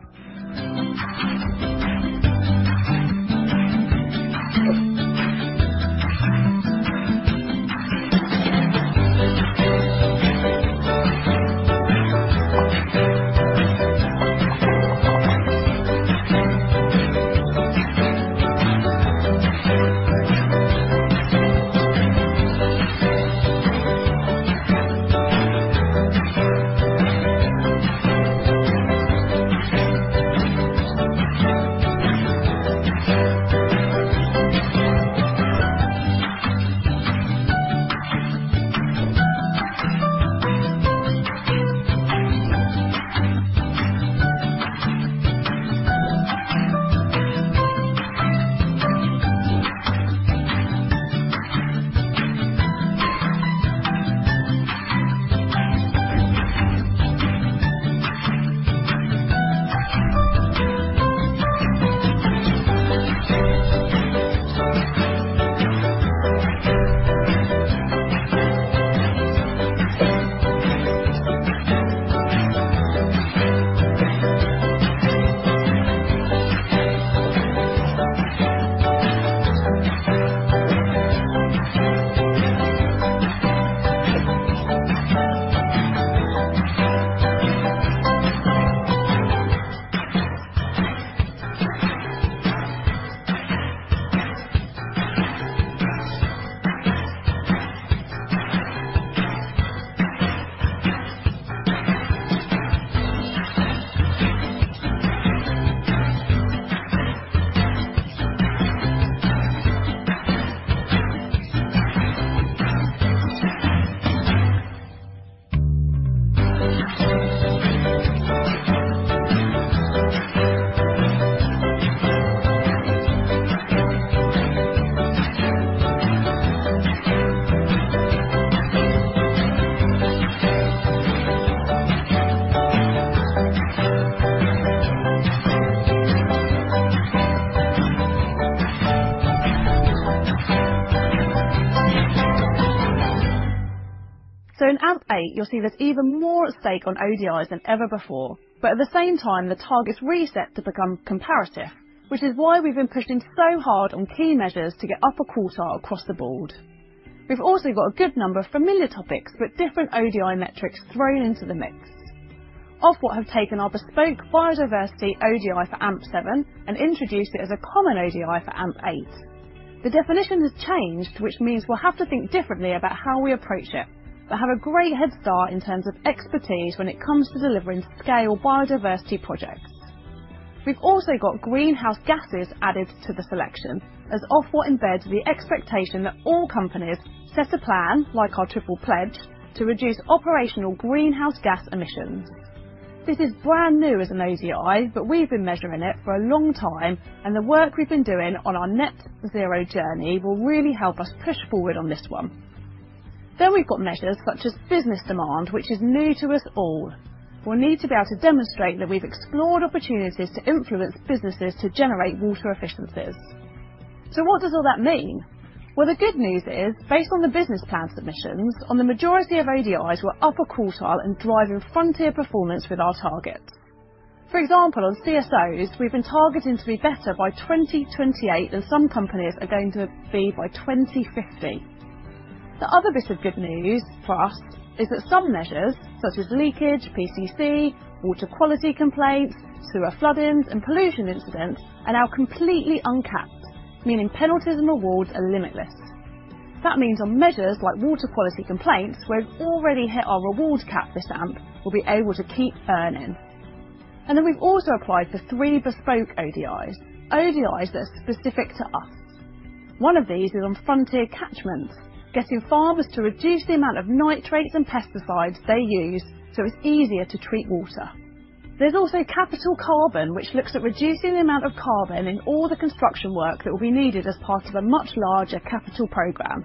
In AMP 8, you'll see there's even more at stake on ODIs than ever before, but at the same time, the target's reset to become comparative, which is why we've been pushing so hard on key measures to get upper quartile across the board. We've also got a good number of familiar topics with different ODI metrics thrown into the mix. Ofwat have taken our bespoke biodiversity ODI for AMP 7 and introduced it as a common ODI for AMP 8. The definition has changed, which means we'll have to think differently about how we approach it, but have a great head start in terms of expertise when it comes to delivering scale Biodiversity projects. We've also got Greenhouse Gases added to the selection, as Ofwat embeds the expectation that all companies set a plan, like our Triple Pledge, to reduce operational greenhouse gas emissions. This is brand new as an ODI, but we've been measuring it for a long time, and the work we've been doing on our Net Zero journey will really help us push forward on this one. Then we've got measures such as Business Demand, which is new to us all. We'll need to be able to demonstrate that we've explored opportunities to influence businesses to generate water efficiencies. So what does all that mean? Well, the good news is, based on the business plan submissions, on the majority of ODIs, we're upper quartile and driving frontier performance with our targets. For example, on CSOs, we've been targeting to be better by 2028 than some companies are going to be by 2050. The other bit of good news for us is that some measures, such as leakage, PCC, water quality complaints, sewer floodings, and pollution incidents, are now completely uncapped, meaning penalties and rewards are limitless. That means on measures like water quality complaints, where we've already hit our reward cap, this AMP will be able to keep earning. And then we've also applied for three bespoke ODIs, ODIs that are specific to us. One of these is on Frontier Catchments, getting farmers to reduce the amount of nitrates and pesticides they use, so it's easier to treat water. There's also Capital Carbon, which looks at reducing the amount of carbon in all the construction work that will be needed as part of a much larger capital program.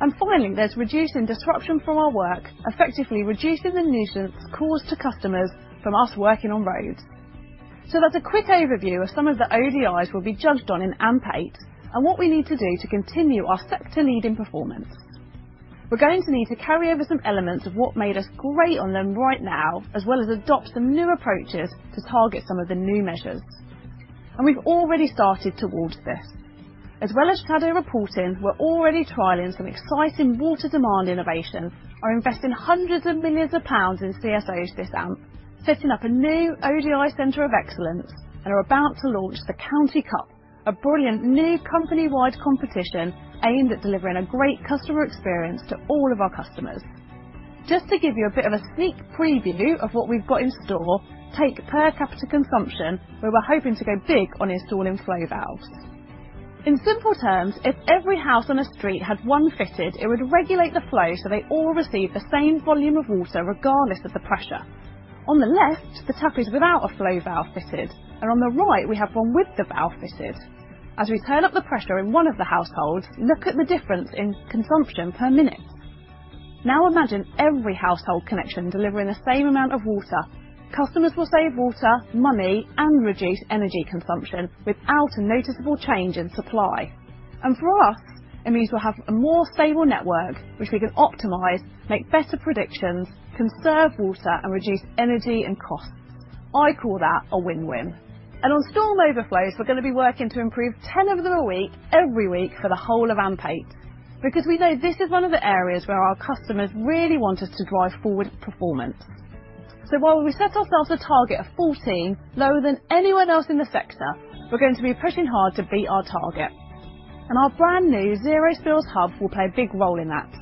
And finally, there's reducing disruption from our work, effectively reducing the nuisance caused to customers from us working on roads. So that's a quick overview of some of the ODIs we'll be judged on in AMP Eight and what we need to do to continue our sector-leading performance. We're going to need to carry over some elements of what made us great on them right now, as well as adopt some new approaches to target some of the new measures. And we've already started towards this. As well as shadow reporting, we're already trialing some exciting water demand innovation by investing GBP hundreds of millions in CSOs this AMP, setting up a new ODI Center of Excellence, and are about to launch the County Cup, a brilliant new company-wide competition aimed at delivering a great customer experience to all of our customers. Just to give you a bit of a sneak preview of what we've got in store, take per capita consumption, where we're hoping to go big on installing flow valves. In simple terms, if every house on a street had one fitted, it would regulate the flow, so they all receive the same volume of water, regardless of the pressure. On the left, the tap is without a flow valve fitted, and on the right, we have one with the valve fitted. As we turn up the pressure in one of the households, look at the difference in consumption per minute. Now, imagine every household connection delivering the same amount of water. Customers will save water, money, and reduce energy consumption without a noticeable change in supply. And for us, it means we'll have a more stable network, which we can optimize, make better predictions, conserve water, and reduce energy and costs. I call that a win-win. And on storm overflows, we're going to be working to improve 10 of them a week, every week for the whole of AMP Eight, because we know this is one of the areas where our customers really want us to drive forward performance. So while we set ourselves a target of 14, lower than anyone else in the sector, we're going to be pushing hard to beat our target, and our brand-new Zero Spills Hub will play a big role in that.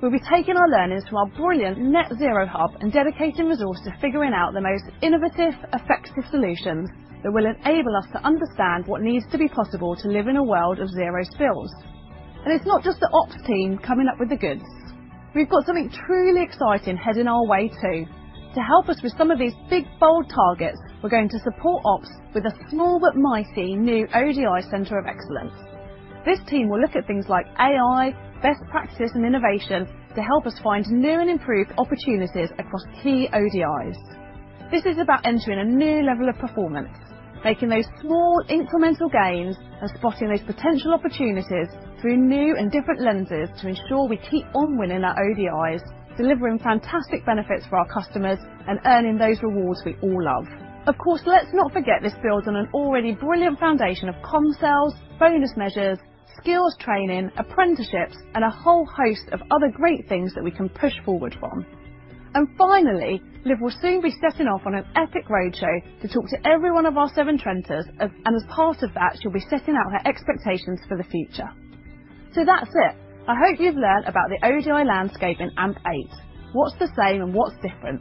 We'll be taking our learnings from our brilliant Net Zero Hub and dedicating resources to figuring out the most innovative, effective solutions that will enable us to understand what needs to be possible to live in a world of zero spills... And it's not just the ops team coming up with the goods. We've got something truly exciting heading our way, too. To help us with some of these big, bold targets, we're going to support ops with a small but mighty new ODI Center of Excellence. This team will look at things like AI, best practice, and innovation to help us find new and improved opportunities across key ODIs. This is about entering a new level of performance, making those small, incremental gains, and spotting those potential opportunities through new and different lenses to ensure we keep on winning our ODIs, delivering fantastic benefits for our customers, and earning those rewards we all love. Of course, let's not forget this builds on an already brilliant foundation of comms sales, bonus measures, skills training, apprenticeships, and a whole host of other great things that we can push forward from. And finally, Liv will soon be setting off on an epic roadshow to talk to every one of our Severn Trenters, of, and as part of that, she'll be setting out her expectations for the future. So that's it. I hope you've learned about the ODI landscape in AMP8, what's the same and what's different.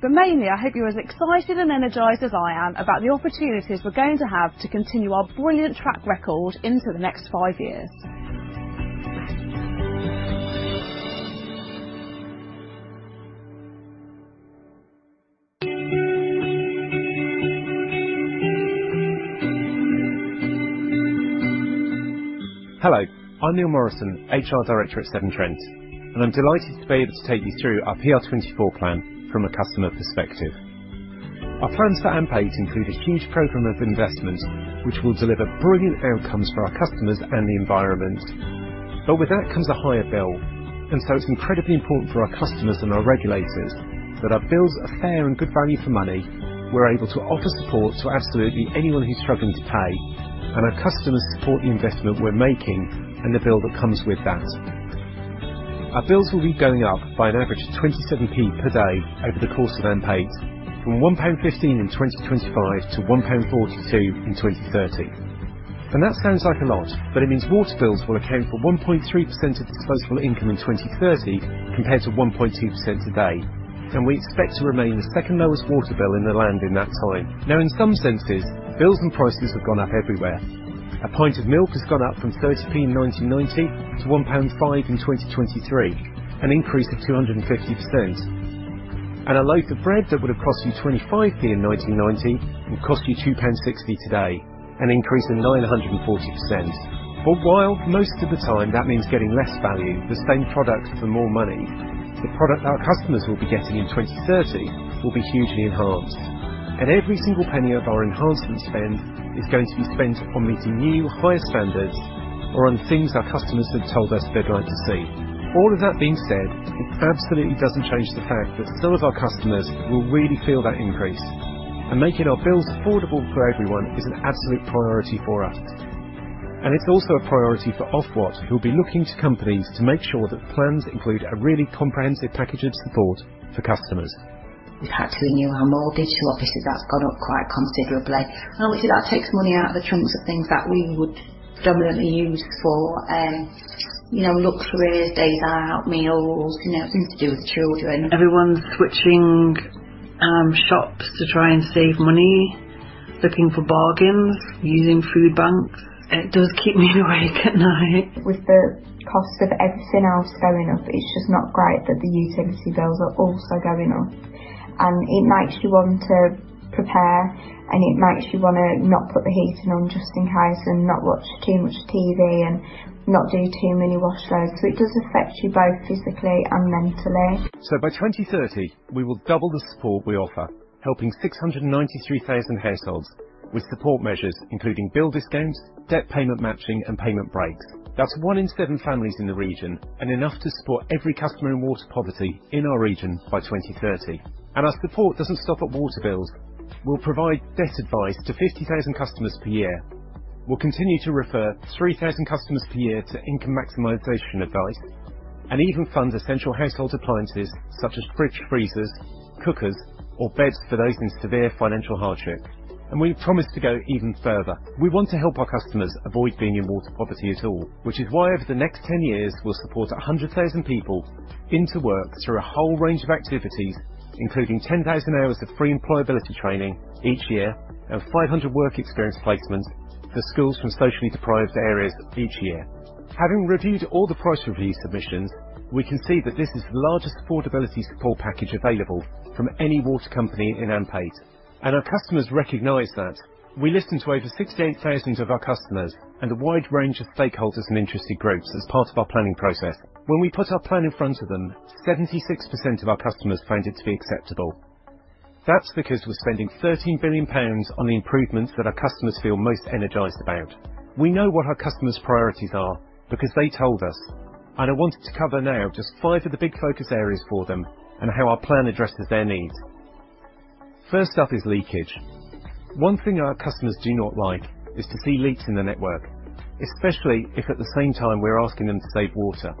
But mainly, I hope you're as excited and energized as I am about the opportunities we're going to have to continue our brilliant track record into the next five years. Hello, I'm Neil Morrison, HR Director at Severn Trent, and I'm delighted to be able to take you through our PR24 plan from a customer perspective. Our plans for AMP8 include a huge program of investment, which will deliver brilliant outcomes for our customers and the environment. But with that comes a higher bill, and so it's incredibly important for our customers and our regulators that our bills are fair and good value for money, we're able to offer support to absolutely anyone who's struggling to pay, and our customers support the investment we're making and the bill that comes with that. Our bills will be going up by an average of 0.27 per day over the course of AMP8, from 1.15 pound in 2025 to 1.42 pound in 2030. That sounds like a lot, but it means water bills will account for 1.3% of disposable income in 2030, compared to 1.2% today. We expect to remain the second lowest water bill in the land in that time. Now, in some senses, bills and prices have gone up everywhere. A pint of milk has gone up from 0.30 in 1990 to 1.05 pound in 2023, an increase of 250%. A loaf of bread that would have cost you 0.25 in 1990 will cost you 2.60 pounds today, an increase of 940%. While most of the time that means getting less value, the same product for more money, the product our customers will be getting in 2030 will be hugely enhanced. Every single penny of our enhancement spend is going to be spent on meeting new, higher standards or on things our customers have told us they'd like to see. All of that being said, it absolutely doesn't change the fact that some of our customers will really feel that increase, and making our bills affordable for everyone is an absolute priority for us. It's also a priority for Ofwat, who will be looking to companies to make sure that plans include a really comprehensive package of support for customers. We've had to renew our mortgage, so obviously that's gone up quite considerably. And obviously, that takes money out of the chunks of things that we would predominantly use for, you know, luxuries, days out, meals, you know, things to do with children. Everyone's switching shops to try and save money, looking for bargains, using food banks. It does keep me awake at night. With the cost of everything else going up, it's just not great that the utility bills are also going up. It makes you want to prepare, and it makes you wanna not put the heating on just in house and not watch too much TV and not do too many wash loads. It does affect you both physically and mentally. By 2030, we will double the support we offer, helping 693,000 households with support measures, including bill discounts, debt payment matching, and payment breaks. That's one in seven families in the region and enough to support every customer in water poverty in our region by 2030. Our support doesn't stop at water bills. We'll provide debt advice to 50,000 customers per year. We'll continue to refer 3,000 customers per year to income maximization advice and even fund essential household appliances such as fridge, freezers, cookers, or beds for those in severe financial hardship. We promise to go even further. We want to help our customers avoid being in water poverty at all, which is why, over the next 10 years, we'll support 100,000 people into work through a whole range of activities, including 10,000 hours of free employability training each year and 500 work experience placements for schools from socially deprived areas each year. Having reviewed all the price review submissions, we can see that this is the largest affordability support package available from any water company in AMP8, and our customers recognize that. We listened to over 68,000 of our customers and a wide range of stakeholders and interested groups as part of our planning process. When we put our plan in front of them, 76% of our customers found it to be acceptable. That's because we're spending 13 billion pounds on the improvements that our customers feel most energized about. We know what our customers' priorities are because they told us, and I wanted to cover now just five of the big focus areas for them and how our plan addresses their needs. First up is leakage. One thing our customers do not like is to see leaks in the network, especially if, at the same time, we're asking them to save water.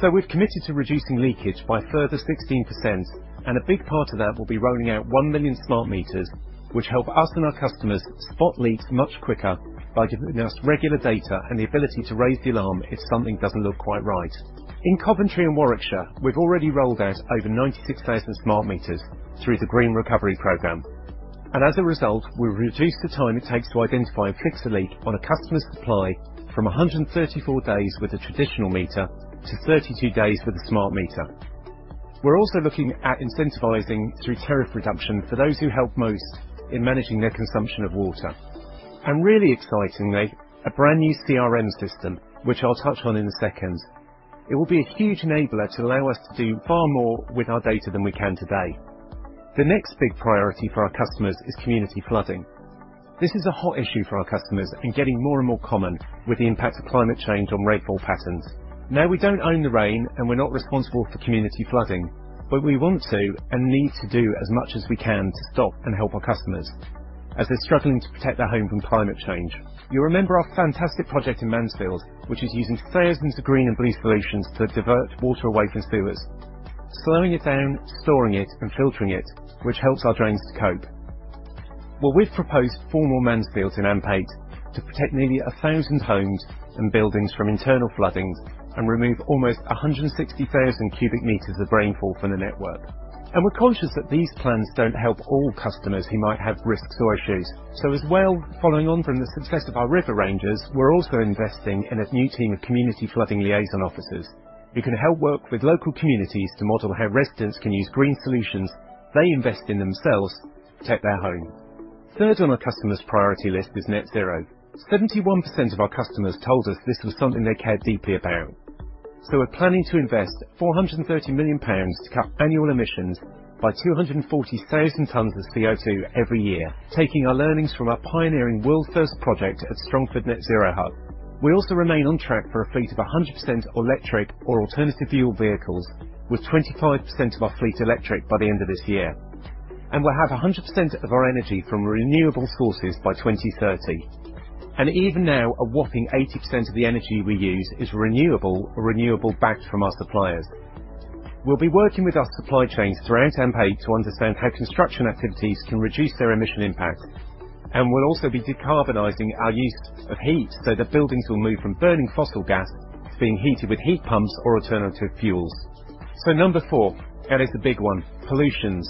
So we've committed to reducing leakage by a further 16%, and a big part of that will be rolling out 1 million smart meters, which help us and our customers spot leaks much quicker by giving us regular data and the ability to raise the alarm if something doesn't look quite right. In Coventry and Warwickshire, we've already rolled out over 96,000 smart meters through the Green Recovery Program. And as a result, we've reduced the time it takes to identify and fix a leak on a customer's supply from 134 days with a traditional meter to 32 days with a smart meter. We're also looking at incentivizing through tariff reduction for those who help most in managing their consumption of water. And really excitingly, a brand new CRM system, which I'll touch on in a second. It will be a huge enabler to allow us to do far more with our data than we can today. The next big priority for our customers is community flooding. This is a hot issue for our customers and getting more and more common with the impact of climate change on rainfall patterns. Now, we don't own the rain, and we're not responsible for community flooding, but we want to and need to do as much as we can to stop and help our customers as they're struggling to protect their home from climate change. You'll remember our fantastic project in Mansfield, which is using thousands of green and blue solutions to divert water away from sewers, slowing it down, storing it, and filtering it, which helps our drains to cope. Well, we've proposed 4 more Mansfields in AMP8 to protect nearly 1,000 homes and buildings from internal floodings and remove almost 160,000 cubic meters of rainfall from the network. We're conscious that these plans don't help all customers who might have risks or issues. So as well, following on from the success of our River Rangers, we're also investing in a new team of community flooding liaison officers, who can help work with local communities to model how residents can use green solutions they invest in themselves to protect their homes. Third on our customers' priority list is Net Zero. 71% of our customers told us this was something they cared deeply about. So we're planning to invest 430 million pounds to cut annual emissions by 240,000 tons of CO2 every year, taking our learnings from our pioneering world first project at Strongford Net Zero Hub. We also remain on track for a fleet of 100% electric or alternative fuel vehicles, with 25% of our fleet electric by the end of this year. And we'll have 100% of our energy from renewable sources by 2030. And even now, a whopping 80% of the energy we use is renewable or renewable-backed from our suppliers. We'll be working with our supply chains throughout AMP8 to understand how construction activities can reduce their emission impact. And we'll also be decarbonizing our use of heat so that buildings will move from burning fossil gas to being heated with heat pumps or alternative fuels. So number 4, and it's a big one, pollutions.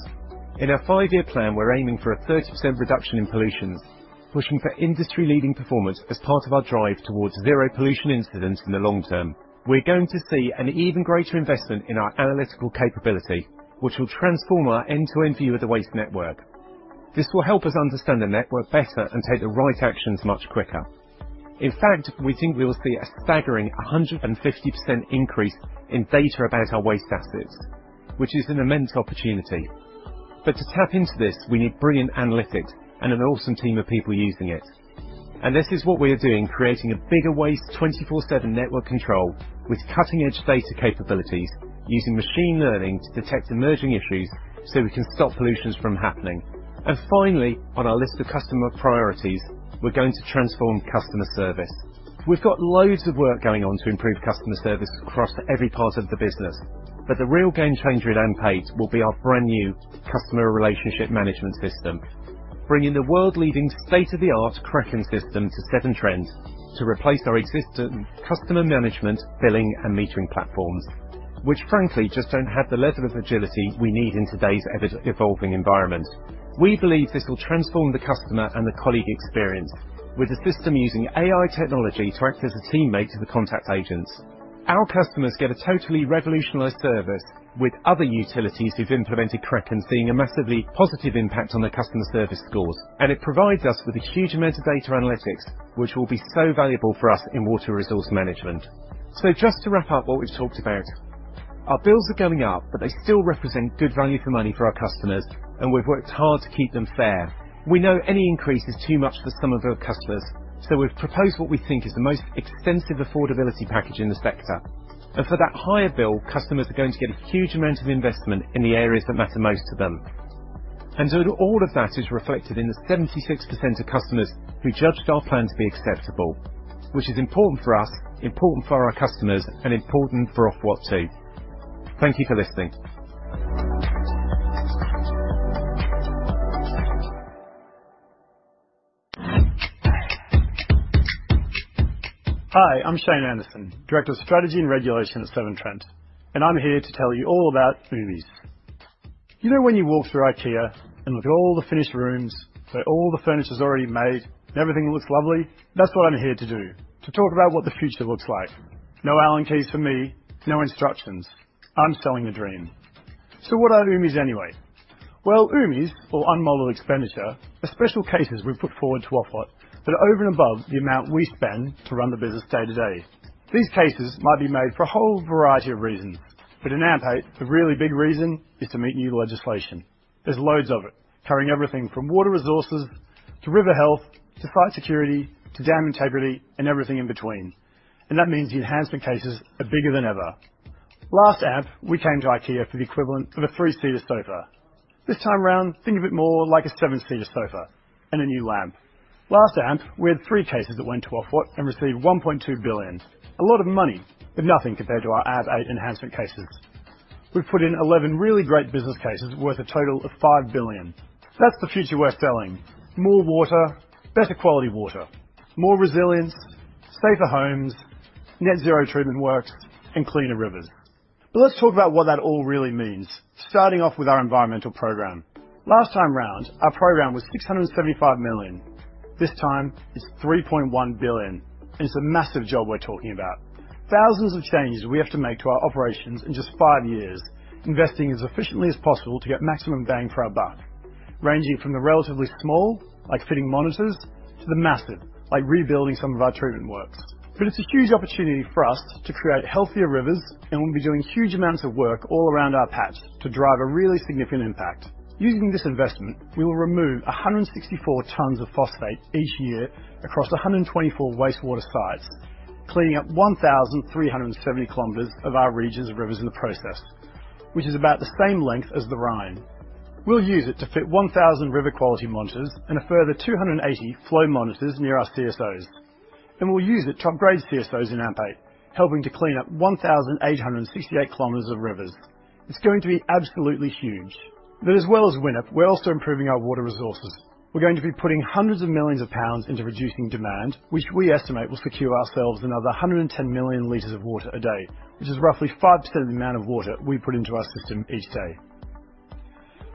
In our five-year plan, we're aiming for a 30% reduction in pollutions, pushing for industry-leading performance as part of our drive towards zero pollution incidents in the long term. We're going to see an even greater investment in our analytical capability, which will transform our end-to-end view of the waste network. This will help us understand the network better and take the right actions much quicker. In fact, we think we will see a staggering 150% increase in data about our waste assets, which is an immense opportunity. But to tap into this, we need brilliant analytics and an awesome team of people using it. This is what we are doing, creating a bigger wastewater 24/7 network control with cutting-edge data capabilities, using machine learning to detect emerging issues so we can stop pollution from happening. Finally, on our list of customer priorities, we're going to transform customer service. We've got loads of work going on to improve customer service across every part of the business, but the real game changer at AMP8 will be our brand-new customer relationship management system, bringing the world-leading, state-of-the-art Kraken system to Severn Trent, to replace our existing customer management, billing, and metering platforms, which frankly just don't have the level of agility we need in today's evolving environment. We believe this will transform the customer and the colleague experience, with the system using AI technology to act as a teammate to the contact agents. Our customers get a totally revolutionized service, with other utilities who've implemented Kraken seeing a massively positive impact on their customer service scores. It provides us with a huge amount of data analytics, which will be so valuable for us in water resource management. Just to wrap up what we've talked about, our bills are going up, but they still represent good value for money for our customers, and we've worked hard to keep them fair. We know any increase is too much for some of our customers, so we've proposed what we think is the most extensive affordability package in the sector. For that higher bill, customers are going to get a huge amount of investment in the areas that matter most to them. And so all of that is reflected in the 76% of customers who judged our plan to be acceptable, which is important for us, important for our customers, and important for Ofwat too. Thank you for listening. Hi, I'm Shane Anderson, Director of Strategy and Regulation at Severn Trent, and I'm here to tell you all about UMEs. You know, when you walk through IKEA and look at all the finished rooms, so all the furniture is already made and everything looks lovely? That's what I'm here to do, to talk about what the future looks like. No Allen keys for me, no instructions. I'm selling the dream. So what are UMEs anyway? Well, UMEs, or Unmodeled Expenditure, are special cases we've put forward to Ofwat that are over and above the amount we spend to run the business day to day. These cases might be made for a whole variety of reasons, but in AMP8, the really big reason is to meet new legislation. There's loads of it, covering everything from water resources, to river health, to site security, to dam integrity, and everything in between. That means the enhancement cases are bigger than ever. Last AMP, we came to IKEA for the equivalent of a three-seater sofa. This time around, think of it more like a seven-seater sofa and a new lamp. Last AMP, we had three cases that went to Ofwat and received 1.2 billion. A lot of money, but nothing compared to our AMP8 enhancement cases. We've put in 11 really great business cases worth a total of 5 billion. That's the future we're selling: more water, better quality water, more resilience, safer homes... net zero treatment works, and cleaner rivers. Let's talk about what that all really means, starting off with our environmental program. Last time round, our program was 675 million. This time, it's 3.1 billion. It's a massive job we're talking about. Thousands of changes we have to make to our operations in just five years, investing as efficiently as possible to get maximum bang for our buck, ranging from the relatively small, like fitting monitors, to the massive, like rebuilding some of our treatment works. It's a huge opportunity for us to create healthier rivers, and we'll be doing huge amounts of work all around our patch to drive a really significant impact. Using this investment, we will remove 164 tons of phosphate each year across 124 wastewater sites, cleaning up 1,370 km of our region's rivers in the process, which is about the same length as the Rhine. We'll use it to fit 1,000 river quality monitors and a further 280 flow monitors near our CSOs. We'll use it to upgrade CSOs in AMP8, helping to clean up 1,868 km of rivers. It's going to be absolutely huge. But as well as WINEP, we're also improving our water resources. We're going to be putting hundreds of millions GBP into reducing demand, which we estimate will secure ourselves another 110 million liters of water a day, which is roughly 5% of the amount of water we put into our system each day.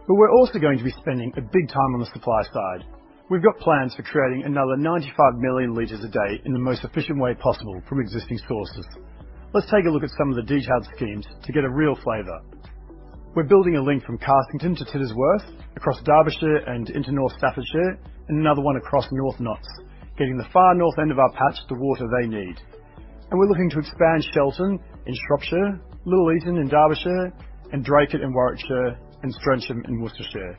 But we're also going to be spending a big time on the supply side. We've got plans for creating another 95 million liters a day in the most efficient way possible from existing sources. Let's take a look at some of the detailed schemes to get a real flavor. We're building a link from Carsington to Tittesworth, across Derbyshire and into North Staffordshire, and another one across North Notts, getting the far north end of our patch the water they need. We're looking to expand Shelton in Shropshire, Little Eaton in Derbyshire, Draycote in Warwickshire, and Strensham in Worcestershire.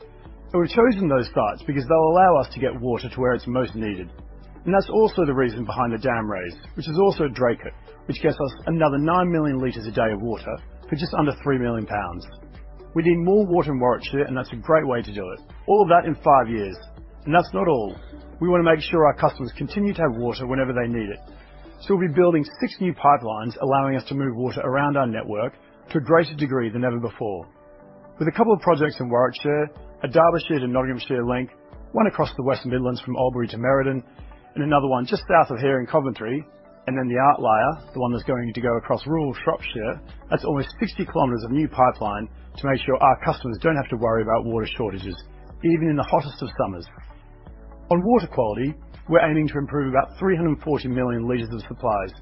We've chosen those sites because they'll allow us to get water to where it's most needed. That's also the reason behind the dam raise, which is also at Draycote, which gets us another 9 million liters a day of water for just under 3 million pounds. We need more water in Warwickshire, and that's a great way to do it. All of that in 5 years. That's not all. We want to make sure our customers continue to have water whenever they need it. So we'll be building 6 new pipelines, allowing us to move water around our network to a greater degree than ever before. With a couple of projects in Warwickshire, a Derbyshire to Nottinghamshire link, one across the West Midlands from Oldbury to Meriden, and another one just south of here in Coventry, and then the outlier, the one that's going to go across rural Shropshire. That's almost 60 kilometers of new pipeline to make sure our customers don't have to worry about water shortages, even in the hottest of summers. On water quality, we're aiming to improve about 340 million liters of supplies,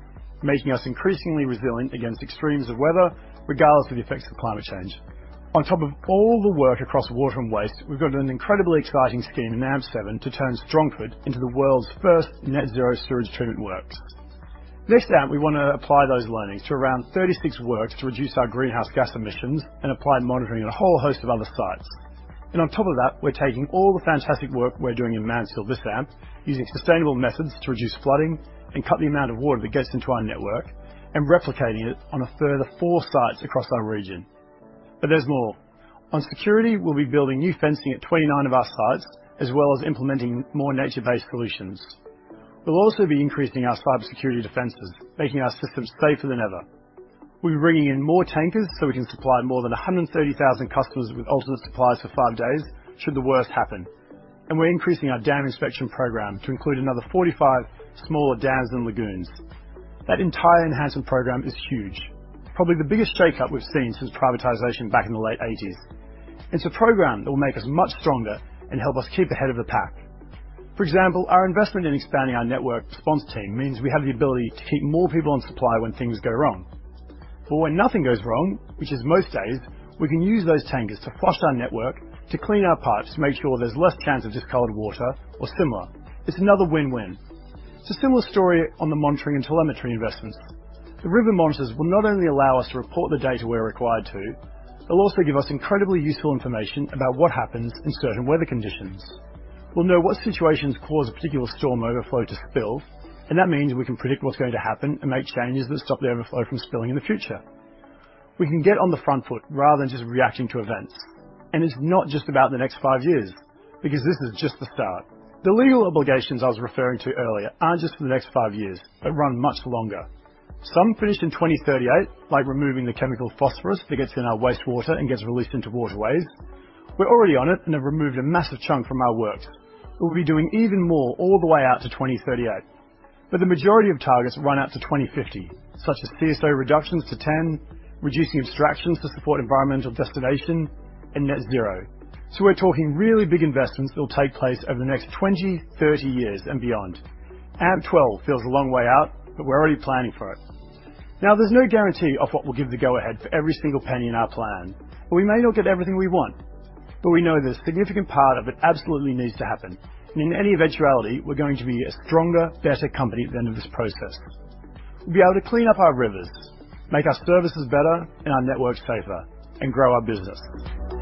making us increasingly resilient against extremes of weather, regardless of the effects of climate change. On top of all the work across water and waste, we've got an incredibly exciting scheme in AMP7 to turn Strongford into the world's first Net Zero sewage treatment works. This AMP, we want to apply those learnings to around 36 works to reduce our greenhouse gas emissions and apply monitoring on a whole host of other sites. And on top of that, we're taking all the fantastic work we're doing in Mansfield this AMP, using sustainable methods to reduce flooding and cut the amount of water that gets into our network, and replicating it on a further 4 sites across our region. But there's more. On security, we'll be building new fencing at 29 of our sites, as well as implementing more nature-based solutions. We'll also be increasing our cybersecurity defenses, making our systems safer than ever. We'll be bringing in more tankers so we can supply more than 130,000 customers with ultimate supplies for five days should the worst happen. We're increasing our dam inspection program to include another 45 smaller dams and lagoons. That entire enhancement program is huge, probably the biggest shakeup we've seen since privatization back in the late 1980s. It's a program that will make us much stronger and help us keep ahead of the pack. For example, our investment in expanding our Network Response Team means we have the ability to keep more people on supply when things go wrong. But when nothing goes wrong, which is most days, we can use those tankers to flush our network, to clean our pipes, to make sure there's less chance of discolored water or similar. It's another win-win. It's a similar story on the monitoring and telemetry investments. The river monitors will not only allow us to report the data we're required to, but also give us incredibly useful information about what happens in certain weather conditions. We'll know what situations cause a particular storm overflow to spill, and that means we can predict what's going to happen and make changes that stop the overflow from spilling in the future. We can get on the front foot rather than just reacting to events. It's not just about the next five years, because this is just the start. The legal obligations I was referring to earlier aren't just for the next five years, but run much longer. Some finish in 2038, like removing the chemical phosphorus that gets in our wastewater and gets released into waterways. We're already on it and have removed a massive chunk from our works. We'll be doing even more all the way out to 2038, but the majority of targets run out to 2050, such as CSO reductions to 10, reducing abstractions to support Environmental Destination, and Net Zero. So we're talking really big investments that will take place over the next 20-30 years and beyond. AMP 12 feels a long way out, but we're already planning for it. Now, there's no guarantee of what will give the go-ahead for every single penny in our plan, but we may not get everything we want. But we know that a significant part of it absolutely needs to happen. And in any eventuality, we're going to be a stronger, better company at the end of this process. We'll be able to clean up our rivers, make our services better and our networks safer, and grow our business.